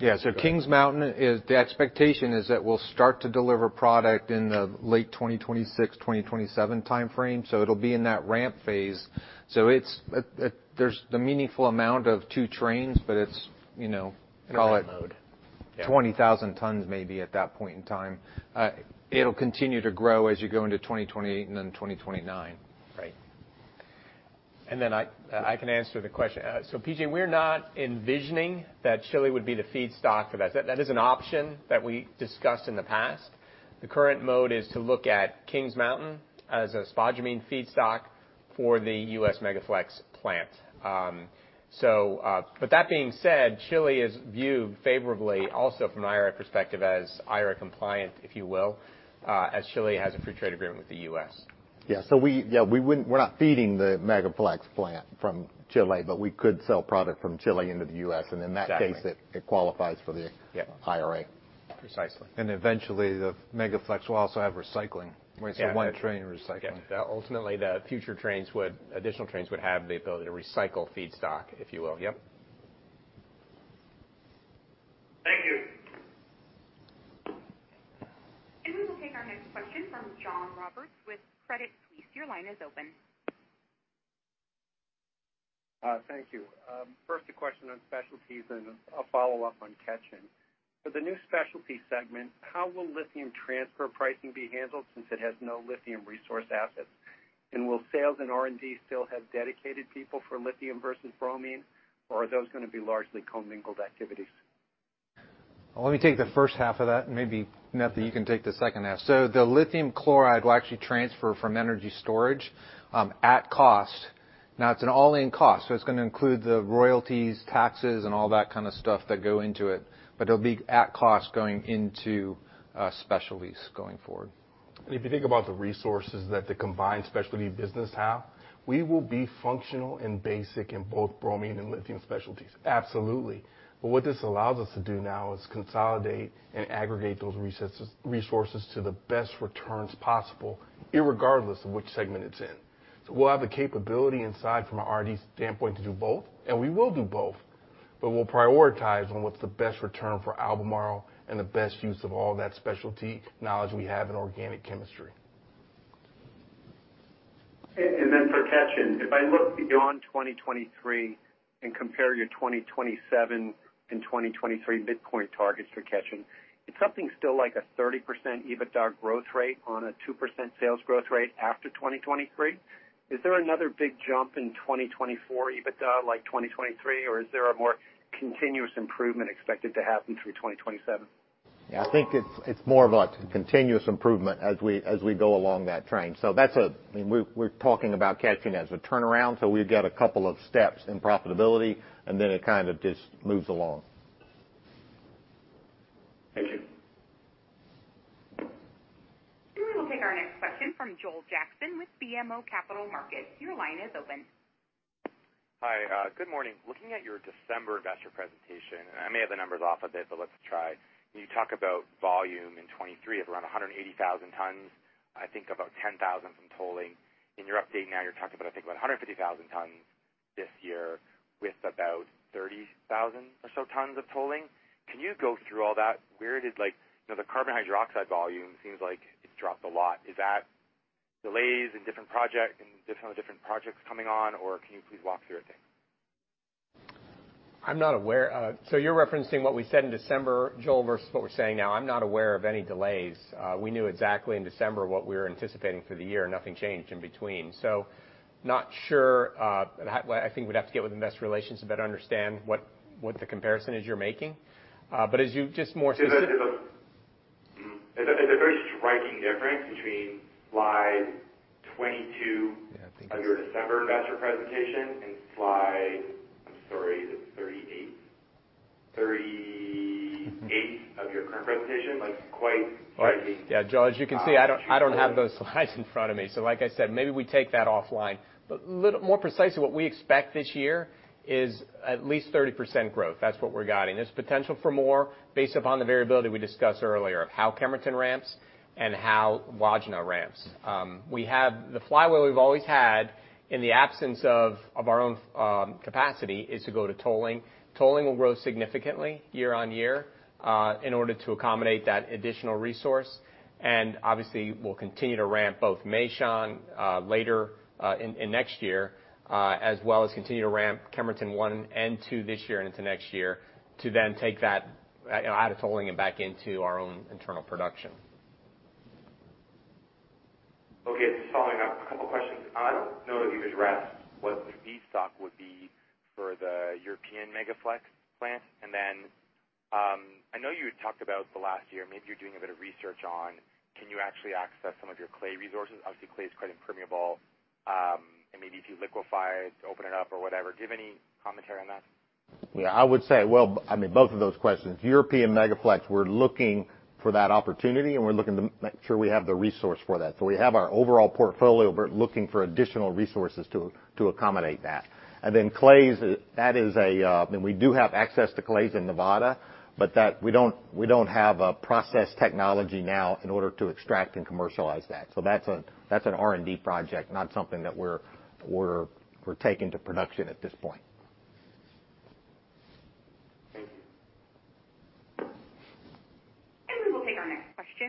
Yeah. Kings Mountain is the expectation that we'll start to deliver product in the late 2026, 2027 timeframe. It'll be in that ramp phase. There's the meaningful amount of two trains, but it's, you know, call it- Rampe mode. Yeah.... 20,000 tons maybe at that point in time. It'll continue to grow as you go into 2028 and then 2029. Right. I can answer the question. P.J., we're not envisioning that Chile would be the feedstock for that. That is an option that we discussed in the past. The current mode is to look at Kings Mountain as a spodumene feedstock for the U.S. Mega-Flex plant. That being said, Chile is viewed favorably also from an IRA perspective as IRA compliant, if you will, as Chile has a free trade agreement with the U.S. We're not feeding the Mega-Flex plant from Chile, but we could sell product from Chile into the U.S. Exactly. In that case, it qualifies for. Yeah... IRA. Precisely. Eventually, the Mega-Flex will also have recycling. Yeah. one train recycling. Yeah. Ultimately, additional trains would have the ability to recycle feedstock, if you will. Yep. Thank you. We will take our next question from John Roberts with Credit Suisse. Your line is open. Thank you. First a question on specialties and a follow-up on Ketjen. For the new specialty segment, how will lithium transfer pricing be handled since it has no lithium resource assets? Will sales and R&D still have dedicated people for lithium versus bromine, or are those gonna be largely commingled activities? Let me take the first half of that, and maybe Matthew, you can take the second half. The lithium chloride will actually transfer from Energy Storage at cost. Now it's an all-in cost, so it's gonna include the royalties, taxes, and all that kind of stuff that go into it, but it'll be at cost going into Specialties going forward. If you think about the resources that the combined specialty business have, we will be functional and basic in both bromine and lithium specialties, absolutely. What this allows us to do now is consolidate and aggregate those resources to the best returns possible, irregardless of which segment it's in. We'll have the capability inside from an R&D standpoint to do both, and we will do both. We'll prioritize on what's the best return for Albemarle and the best use of all that specialty knowledge we have in organic chemistry. Then for Ketjen, if I look beyond 2023 and compare your 2027 and 2023 midpoint targets for Ketjen, it's something still like a 30% EBITDA growth rate on a 2% sales growth rate after 2023. Is there another big jump in 2024 EBITDA like 2023, or is there a more continuous improvement expected to happen through 2027? Yeah, I think it's more of a continuous improvement as we go along that train. We're talking about Qinzhou as a turnaround, so we've got a couple of steps in profitability. It kind of just moves along. Thank you. We will take our next question from Joel Jackson with BMO Capital Markets. Your line is open. Hi, good morning. Looking at your December investor presentation, and I may have the numbers off a bit, but let's try. You talk about volume in 2023 of around 180,000 tons, I think about 10,000 from tolling. In your update now you're talking about, I think, about 150,000 tons this year with about 30,000 or so tons of tolling. Can you go through all that? Where did like, you know, the lithium hydroxide volume seems like it dropped a lot? Is that delays in different project and different projects coming on? Or can you please walk through it? Thanks. I'm not aware. You're referencing what we said in December, Joel, versus what we're saying now. I'm not aware of any delays. We knew exactly in December what we were anticipating for the year, nothing changed in between. Not sure, well, I think we'd have to get with investor relations to better understand what the comparison is you're making. As you just more specific- There's a very striking difference between slide 22. Yeah. -of your December investor presentation and slide, I'm sorry, is it 38? 38 of your current presentation, like quite striking. Joel, as you can see, I don't, I don't have those slides in front of me. Like I said, maybe we take that offline. More precisely what we expect this year is at least 30% growth. That's what we're guiding. There's potential for more based upon the variability we discussed earlier of how Kemerton ramps and how Wodgina ramps. We have the flywheel we've always had in the absence of our own capacity is to go to tolling. Tolling will grow significantly year on year in order to accommodate that additional resource. Obviously we'll continue to ramp both Meishan later in next year as well as continue to ramp Kemerton one and two this year and into next year to then take that, you know, out of tolling and back into our own internal production. Okay. Just following up, a couple questions. I don't know that you addressed what the feedstock would be for the European Mega-Flex plant. Then, I know you had talked about the last year, maybe you're doing a bit of research on can you actually access some of your clay resources? Obviously, clay is quite impermeable, and maybe if you liquefy it to open it up or whatever. Do you have any commentary on that? Yeah, I would say, well, I mean both of those questions. European Mega-Flex, we're looking for that opportunity, we're looking to make sure we have the resource for that. We have our overall portfolio. We're looking for additional resources to accommodate that. Clays, that is a, I mean, we do have access to clays in Nevada, but we don't have a process technology now in order to extract and commercialize that. That's a, that's an R&D project, not something that we're taking to production at this point.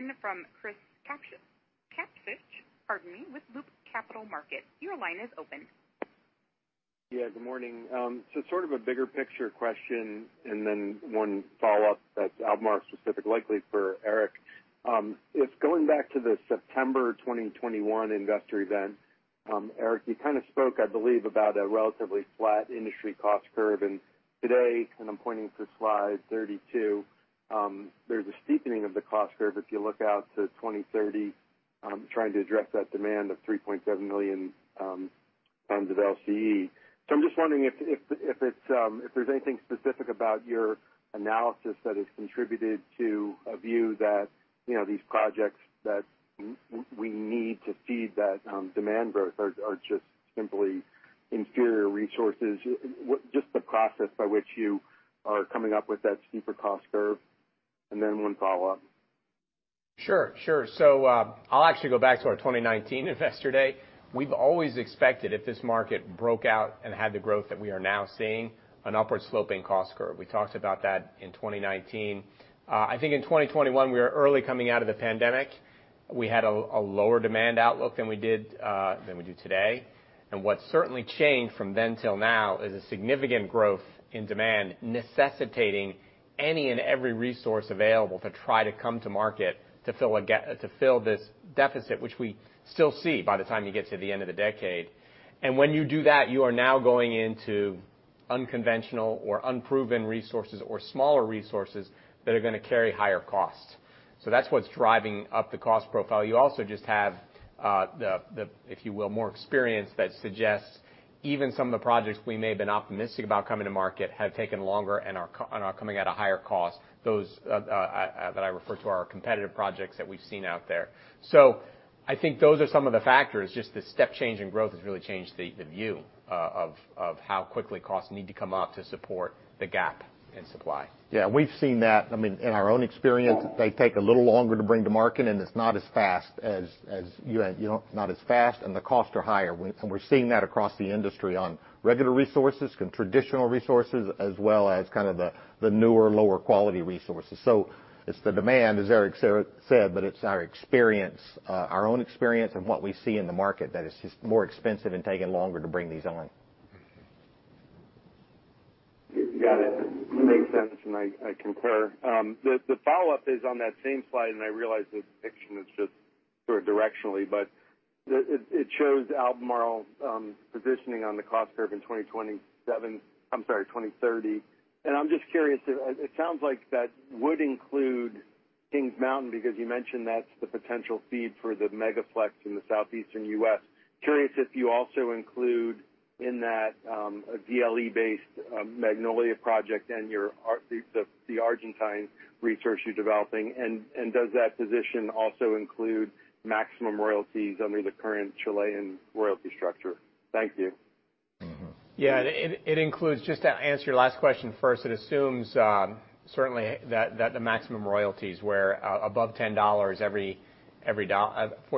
Thank you. We will take our next question from Christopher Kapsch, pardon me, with Loop Capital Markets. Your line is open. Yeah, good morning. So sort of a bigger picture question and then one follow-up that's Albemarle specific, likely for Eric. It's going back to the September 2021 investor event. Eric, you kind of spoke, I believe, about a relatively flat industry cost curve. Today, and I'm pointing to slide 32, there's a steepening of the cost curve if you look out to 2030, trying to address that demand of 3.7 million tons of LCE. I'm just wondering if it's, if there's anything specific about your analysis that has contributed to a view that, you know, these projects that we need to feed that demand growth are just simply inferior resources. Just the process by which you are coming up with that steeper cost curve, and then one follow-up. Sure, sure. I'll actually go back to our 2019 Investor Day. We've always expected if this market broke out and had the growth that we are now seeing, an upward sloping cost curve. We talked about that in 2019. I think in 2021, we were early coming out of the pandemic. We had a lower demand outlook than we did than we do today. What's certainly changed from then till now is a significant growth in demand necessitating any and every resource available to try to come to market to fill this deficit, which we still see by the time you get to the end of the decade. When you do that, you are now going into unconventional or unproven resources or smaller resources that are gonna carry higher costs. That's what's driving up the cost profile. You also just have, the, if you will, more experience that suggests even some of the projects we may have been optimistic about coming to market have taken longer and are coming at a higher cost, those that I refer to our competitive projects that we've seen out there. I think those are some of the factors, just the step change in growth has really changed the view, of how quickly costs need to come up to support the gap in supply. Yeah. We've seen that, I mean, in our own experience, they take a little longer to bring to market, and it's not as fast as you know, not as fast, and the costs are higher. We're seeing that across the industry on regular resources and traditional resources, as well as kind of the newer, lower quality resources. It's the demand, as Eric said, but it's our experience, our own experience and what we see in the market that it's just more expensive and taking longer to bring these on. Got it. Makes sense, and I concur. The follow-up is on that same slide, and I realize the picture is just sort of directionally, but It shows Albemarle positioning on the cost curve in 2030. I'm just curious, it sounds like that would include Kings Mountain because you mentioned that's the potential feed for the Mega-Flex in the Southeastern U.S. Curious if you also include in that a DLE-based Magnolia project and your the Argentine research you're developing. Does that position also include maximum royalties under the current Chilean royalty structure? Thank you. Yeah. It includes, just to answer your last question first, it assumes, certainly that the maximum royalties where above $10 every 40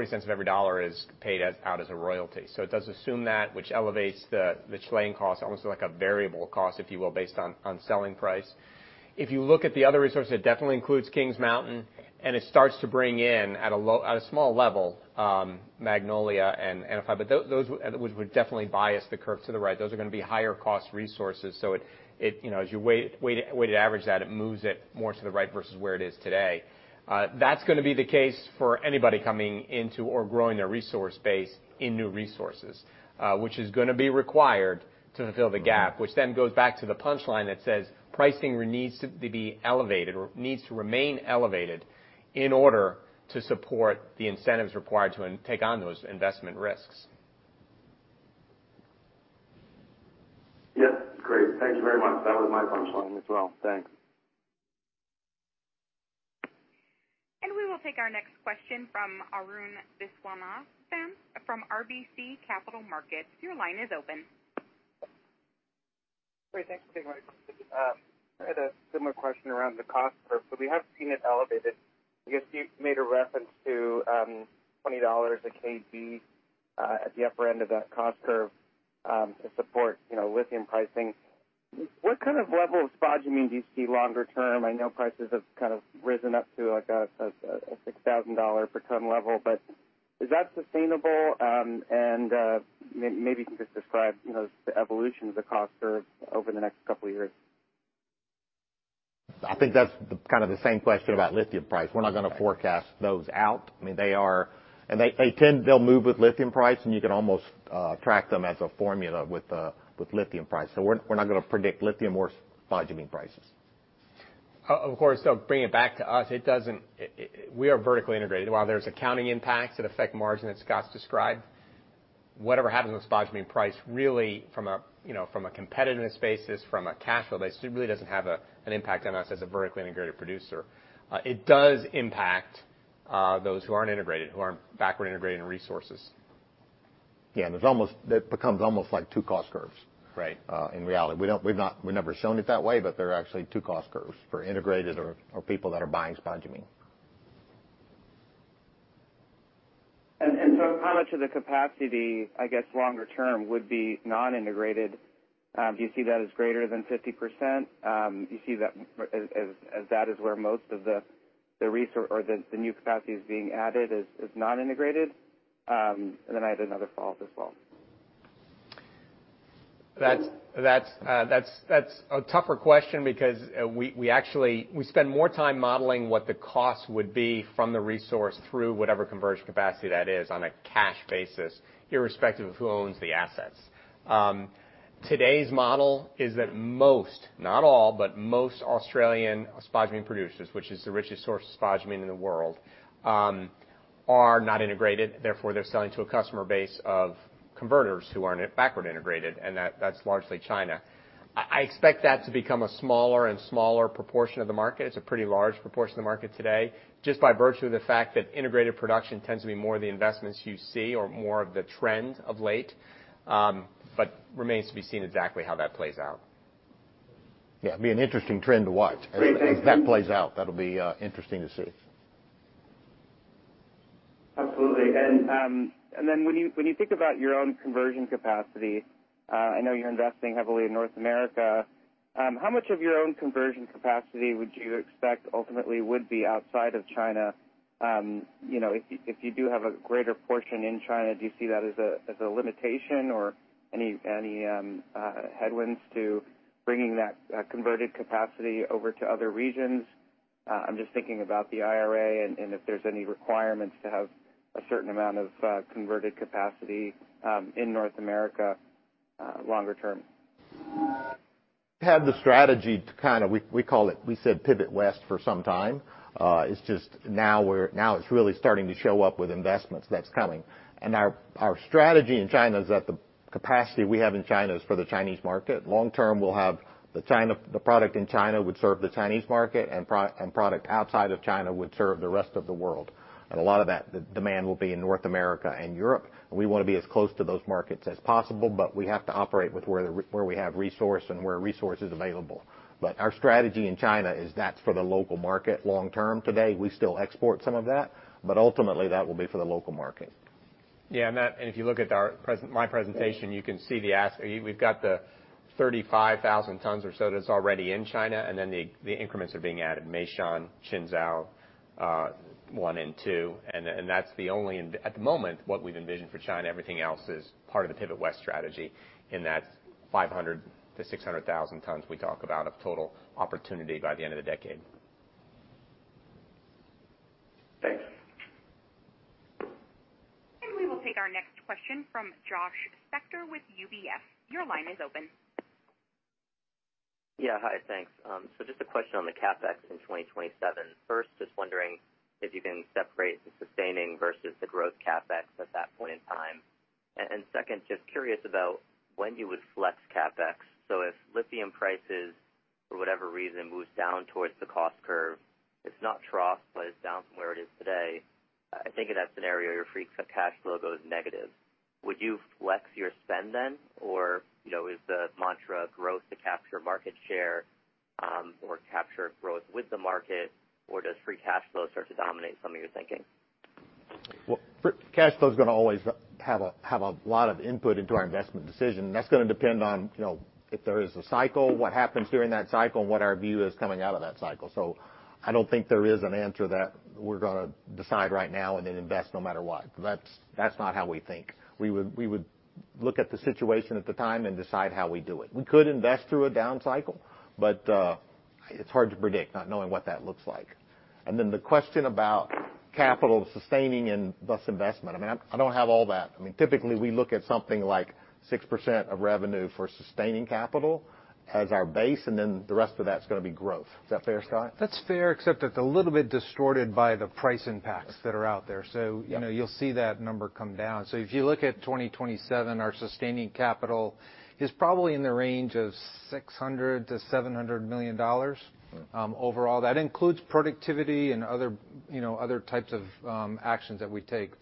cents of every dollar is paid as out as a royalty. It does assume that, which elevates the Chilean cost almost like a variable cost, if you will, based on selling price. If you look at the other resources, it definitely includes Kings Mountain, and it starts to bring in at a small level, Magnolia and those would, which would definitely bias the curve to the right. Those are gonna be higher cost resources. It, you know, as you weight average that, it moves it more to the right versus where it is today. That's gonna be the case for anybody coming into or growing their resource base in new resources, which is gonna be required to fulfill the gap, which then goes back to the punchline that says pricing needs to be elevated or needs to remain elevated in order to support the incentives required to take on those investment risks. Yes. Great. Thank you very much. That was my punchline as well. Thanks. We will take our next question from Arun Viswanathan from RBC Capital Markets. Your line is open. Great. Thanks for taking my question. I had a similar question around the cost curve. We have seen it elevated. I guess you made a reference to, $20 a kg at the upper end of that cost curve to support, you know, lithium pricing. What kind of level of spodumene do you see longer term? I know prices have kind of risen up to like a $6,000 per ton level, but is that sustainable? And maybe you can just describe, you know, the evolution of the cost curve over the next couple of years. I think that's the, kind of the same question about lithium price. We're not gonna forecast those out. I mean, they are... They'll move with lithium price, and you can almost track them as a formula with lithium price. We're not gonna predict lithium or spodumene prices. Of course. Bringing it back to us, we are vertically integrated. While there's accounting impacts that affect margin, as Scott described, whatever happens with spodumene price, really from a, you know, from a competitiveness basis, from a cash flow basis, it really doesn't have an impact on us as a vertically integrated producer. It does impact those who aren't integrated, who aren't backward integrated in resources. Yeah. That becomes almost like two cost curves. Right In reality. We've never shown it that way, but they're actually two cost curves for integrated or people that are buying spodumene. How much of the capacity, I guess, longer term would be non-integrated? Do you see that as greater than 50%? Do you see that as that is where most of the new capacity is being added is non-integrated? I had another follow-up as well. That's a tougher question because we actually we spend more time modeling what the cost would be from the resource through whatever conversion capacity that is on a cash basis, irrespective of who owns the assets. Today's model is that most, not all, but most Australian spodumene producers, which is the richest source of spodumene in the world, are not integrated, therefore, they're selling to a customer base of converters who aren't backward integrated, and that's largely China. I expect that to become a smaller and smaller proportion of the market. It's a pretty large proportion of the market today, just by virtue of the fact that integrated production tends to be more of the investments you see or more of the trend of late, remains to be seen exactly how that plays out. Yeah. It'd be an interesting trend to watch. Great. Thank you. As that plays out, that'll be interesting to see. Absolutely. When you think about your own conversion capacity, I know you're investing heavily in North America, how much of your own conversion capacity would you expect ultimately would be outside of China? You know, if you do have a greater portion in China, do you see that as a limitation or any headwinds to bringing that converted capacity over to other regions? I'm just thinking about the IRA and if there's any requirements to have a certain amount of converted capacity in North America, longer term. Have the strategy to kinda we call it, we said Pivot to the West for some time. It's just now it's really starting to show up with investments that's coming. Our strategy in China is that the capacity we have in China is for the Chinese market. Long term, we'll have the product in China would serve the Chinese market, and product outside of China would serve the rest of the world. A lot of that demand will be in North America and Europe, and we wanna be as close to those markets as possible, but we have to operate with where we have resource and where resource is available. Our strategy in China is that's for the local market long term. Today, we still export some of that, but ultimately that will be for the local market. Yeah. If you look at my presentation, you can see we've got the 35,000 tons or so that's already in China, then the increments are being added, Meishan, Qinzhou, one and two. That's the only... At the moment, what we've envisioned for China, everything else is part of the Pivot West strategy in that 500,000-600,000 tons we talk about of total opportunity by the end of the decade. Thanks. We will take our next question from Josh Spector with UBS. Your line is open. Yeah. Hi. Thanks. Just a question on the CapEx in 2027. First, just wondering if you can separate the sustaining versus the growth CapEx at that point in time. Second, just curious about when you would flex CapEx. If lithium prices for whatever reason moves down towards the cost curve, it's not trough, but it's down from where it is today, I think in that scenario, your free cash flow goes negative. Would you flex your spend then? You know, is the mantra growth to capture market share, or capture growth with the market? Does free cash flow start to dominate some of your thinking? Free cash flow is gonna always have a lot of input into our investment decision. That's gonna depend on, you know, if there is a cycle, what happens during that cycle, and what our view is coming out of that cycle. I don't think there is an answer that we're gonna decide right now and then invest no matter what. That's not how we think. We would look at the situation at the time and decide how we do it. We could invest through a down cycle, but it's hard to predict, not knowing what that looks like. The question about capital sustaining and thus investment. I mean, I don't have all that. I mean, typically, we look at something like 6% of revenue for sustaining capital as our base, and then the rest of that's gonna be growth. Is that fair, Scott? That's fair, except it's a little bit distorted by the price impacts that are out there. Yeah. You know, you'll see that number come down. If you look at 2027, our sustaining capital is probably in the range of $600 million-$700 million, overall. That includes productivity and other, you know, other types of, actions that we take.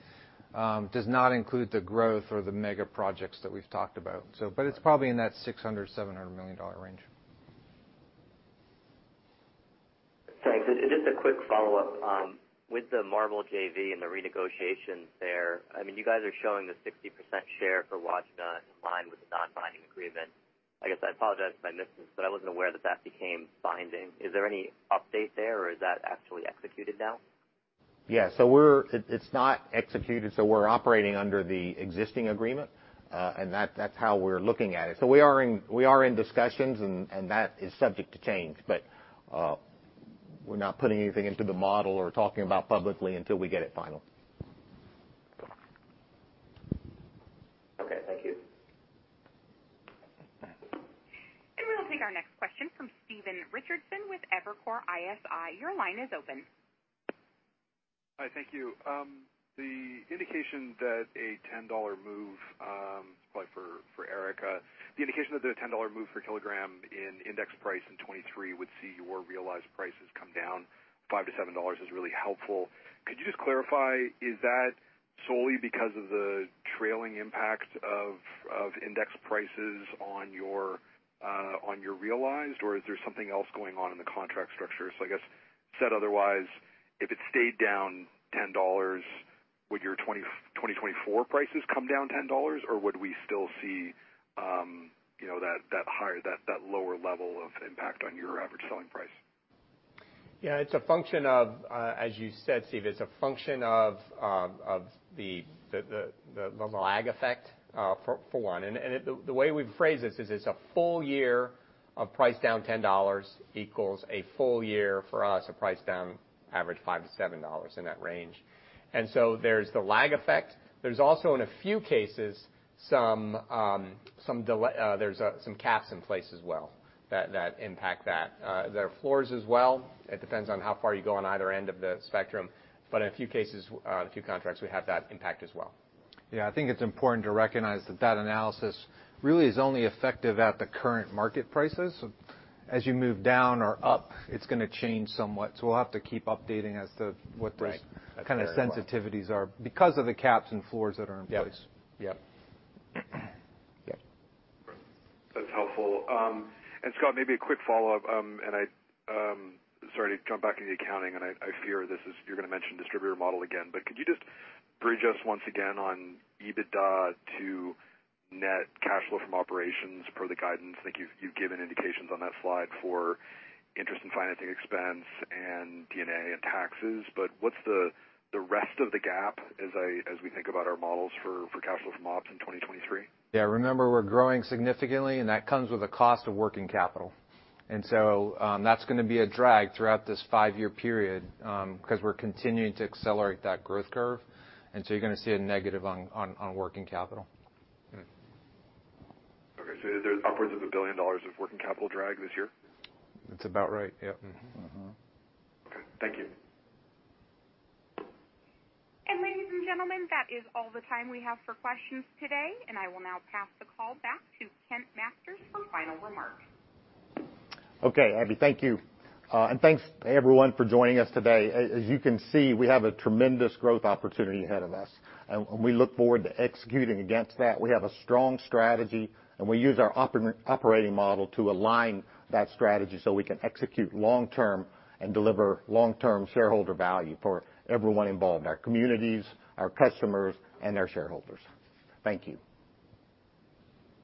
Does not include the growth or the mega projects that we've talked about. But it's probably in that $600 million-$700 million range. Thanks. Just a quick follow-up. With the MARBL JV and the renegotiations there, I mean, you guys are showing the 60% share for Wodgina in line with the non-binding agreement. I guess I apologize if I missed this, but I wasn't aware that that became binding. Is there any update there, or is that actually executed now? Yeah. It's not executed, so we're operating under the existing agreement, and that's how we're looking at it. We are in discussions and that is subject to change. We're not putting anything into the model or talking about publicly until we get it final. Okay, thank you. We'll take our next question from Stephen Richardson with Evercore ISI. Your line is open. Hi. Thank you. The indication that a $10 move, probably for Eric Norris, the indication that the $10 move per kilogram in index price in 2023 would see your realized prices come down $5-$7 is really helpful. Could you just clarify, is that solely because of the trailing impacts of index prices on your realized, or is there something else going on in the contract structure? I guess said otherwise, if it stayed down $10, would your 2024 prices come down $10, or would we still see, you know, that lower level of impact on your average selling price? Yeah. It's a function of, as you said, Steve, it's a function of the lag effect for one. The way we phrase this is it's a full year of price down $10 equals a full year for us, a price down average $5-$7 in that range. There's the lag effect. There's also, in a few cases, some caps in place as well that impact that. There are floors as well. It depends on how far you go on either end of the spectrum. In a few cases, a few contracts, we have that impact as well. Yeah. I think it's important to recognize that that analysis really is only effective at the current market prices. As you move down or up, it's gonna change somewhat. We'll have to keep updating as to what those- Right. Kind of sensitivities are because of the caps and floors that are in place. Yep. Yep. That's helpful. Scott, maybe a quick follow-up. I, sorry to jump back into the accounting, and I fear this is you're gonna mention distributor model again. Could you just bridge us once again on EBITDA to net cash flow from operations per the guidance? I think you've given indications on that slide for interest in financing expense and D&A and taxes. What's the rest of the gap as we think about our models for cash flow from ops in 2023? Yeah. Remember, we're growing significantly, and that comes with a cost of working capital. That's gonna be a drag throughout this 5-year period 'cause we're continuing to accelerate that growth curve. You're gonna see a negative on working capital. Okay. there's upwards of $1 billion of working capital drag this year? That's about right. Yep. Okay. Thank you. Ladies and gentlemen, that is all the time we have for questions today. I will now pass the call back to Kent Masters for final remarks. Okay, Abby. Thank you. Thanks everyone for joining us today. As you can see, we have a tremendous growth opportunity ahead of us, and we look forward to executing against that. We have a strong strategy, and we use our operating model to align that strategy so we can execute long term and deliver long-term shareholder value for everyone involved, our communities, our customers, and our shareholders. Thank you.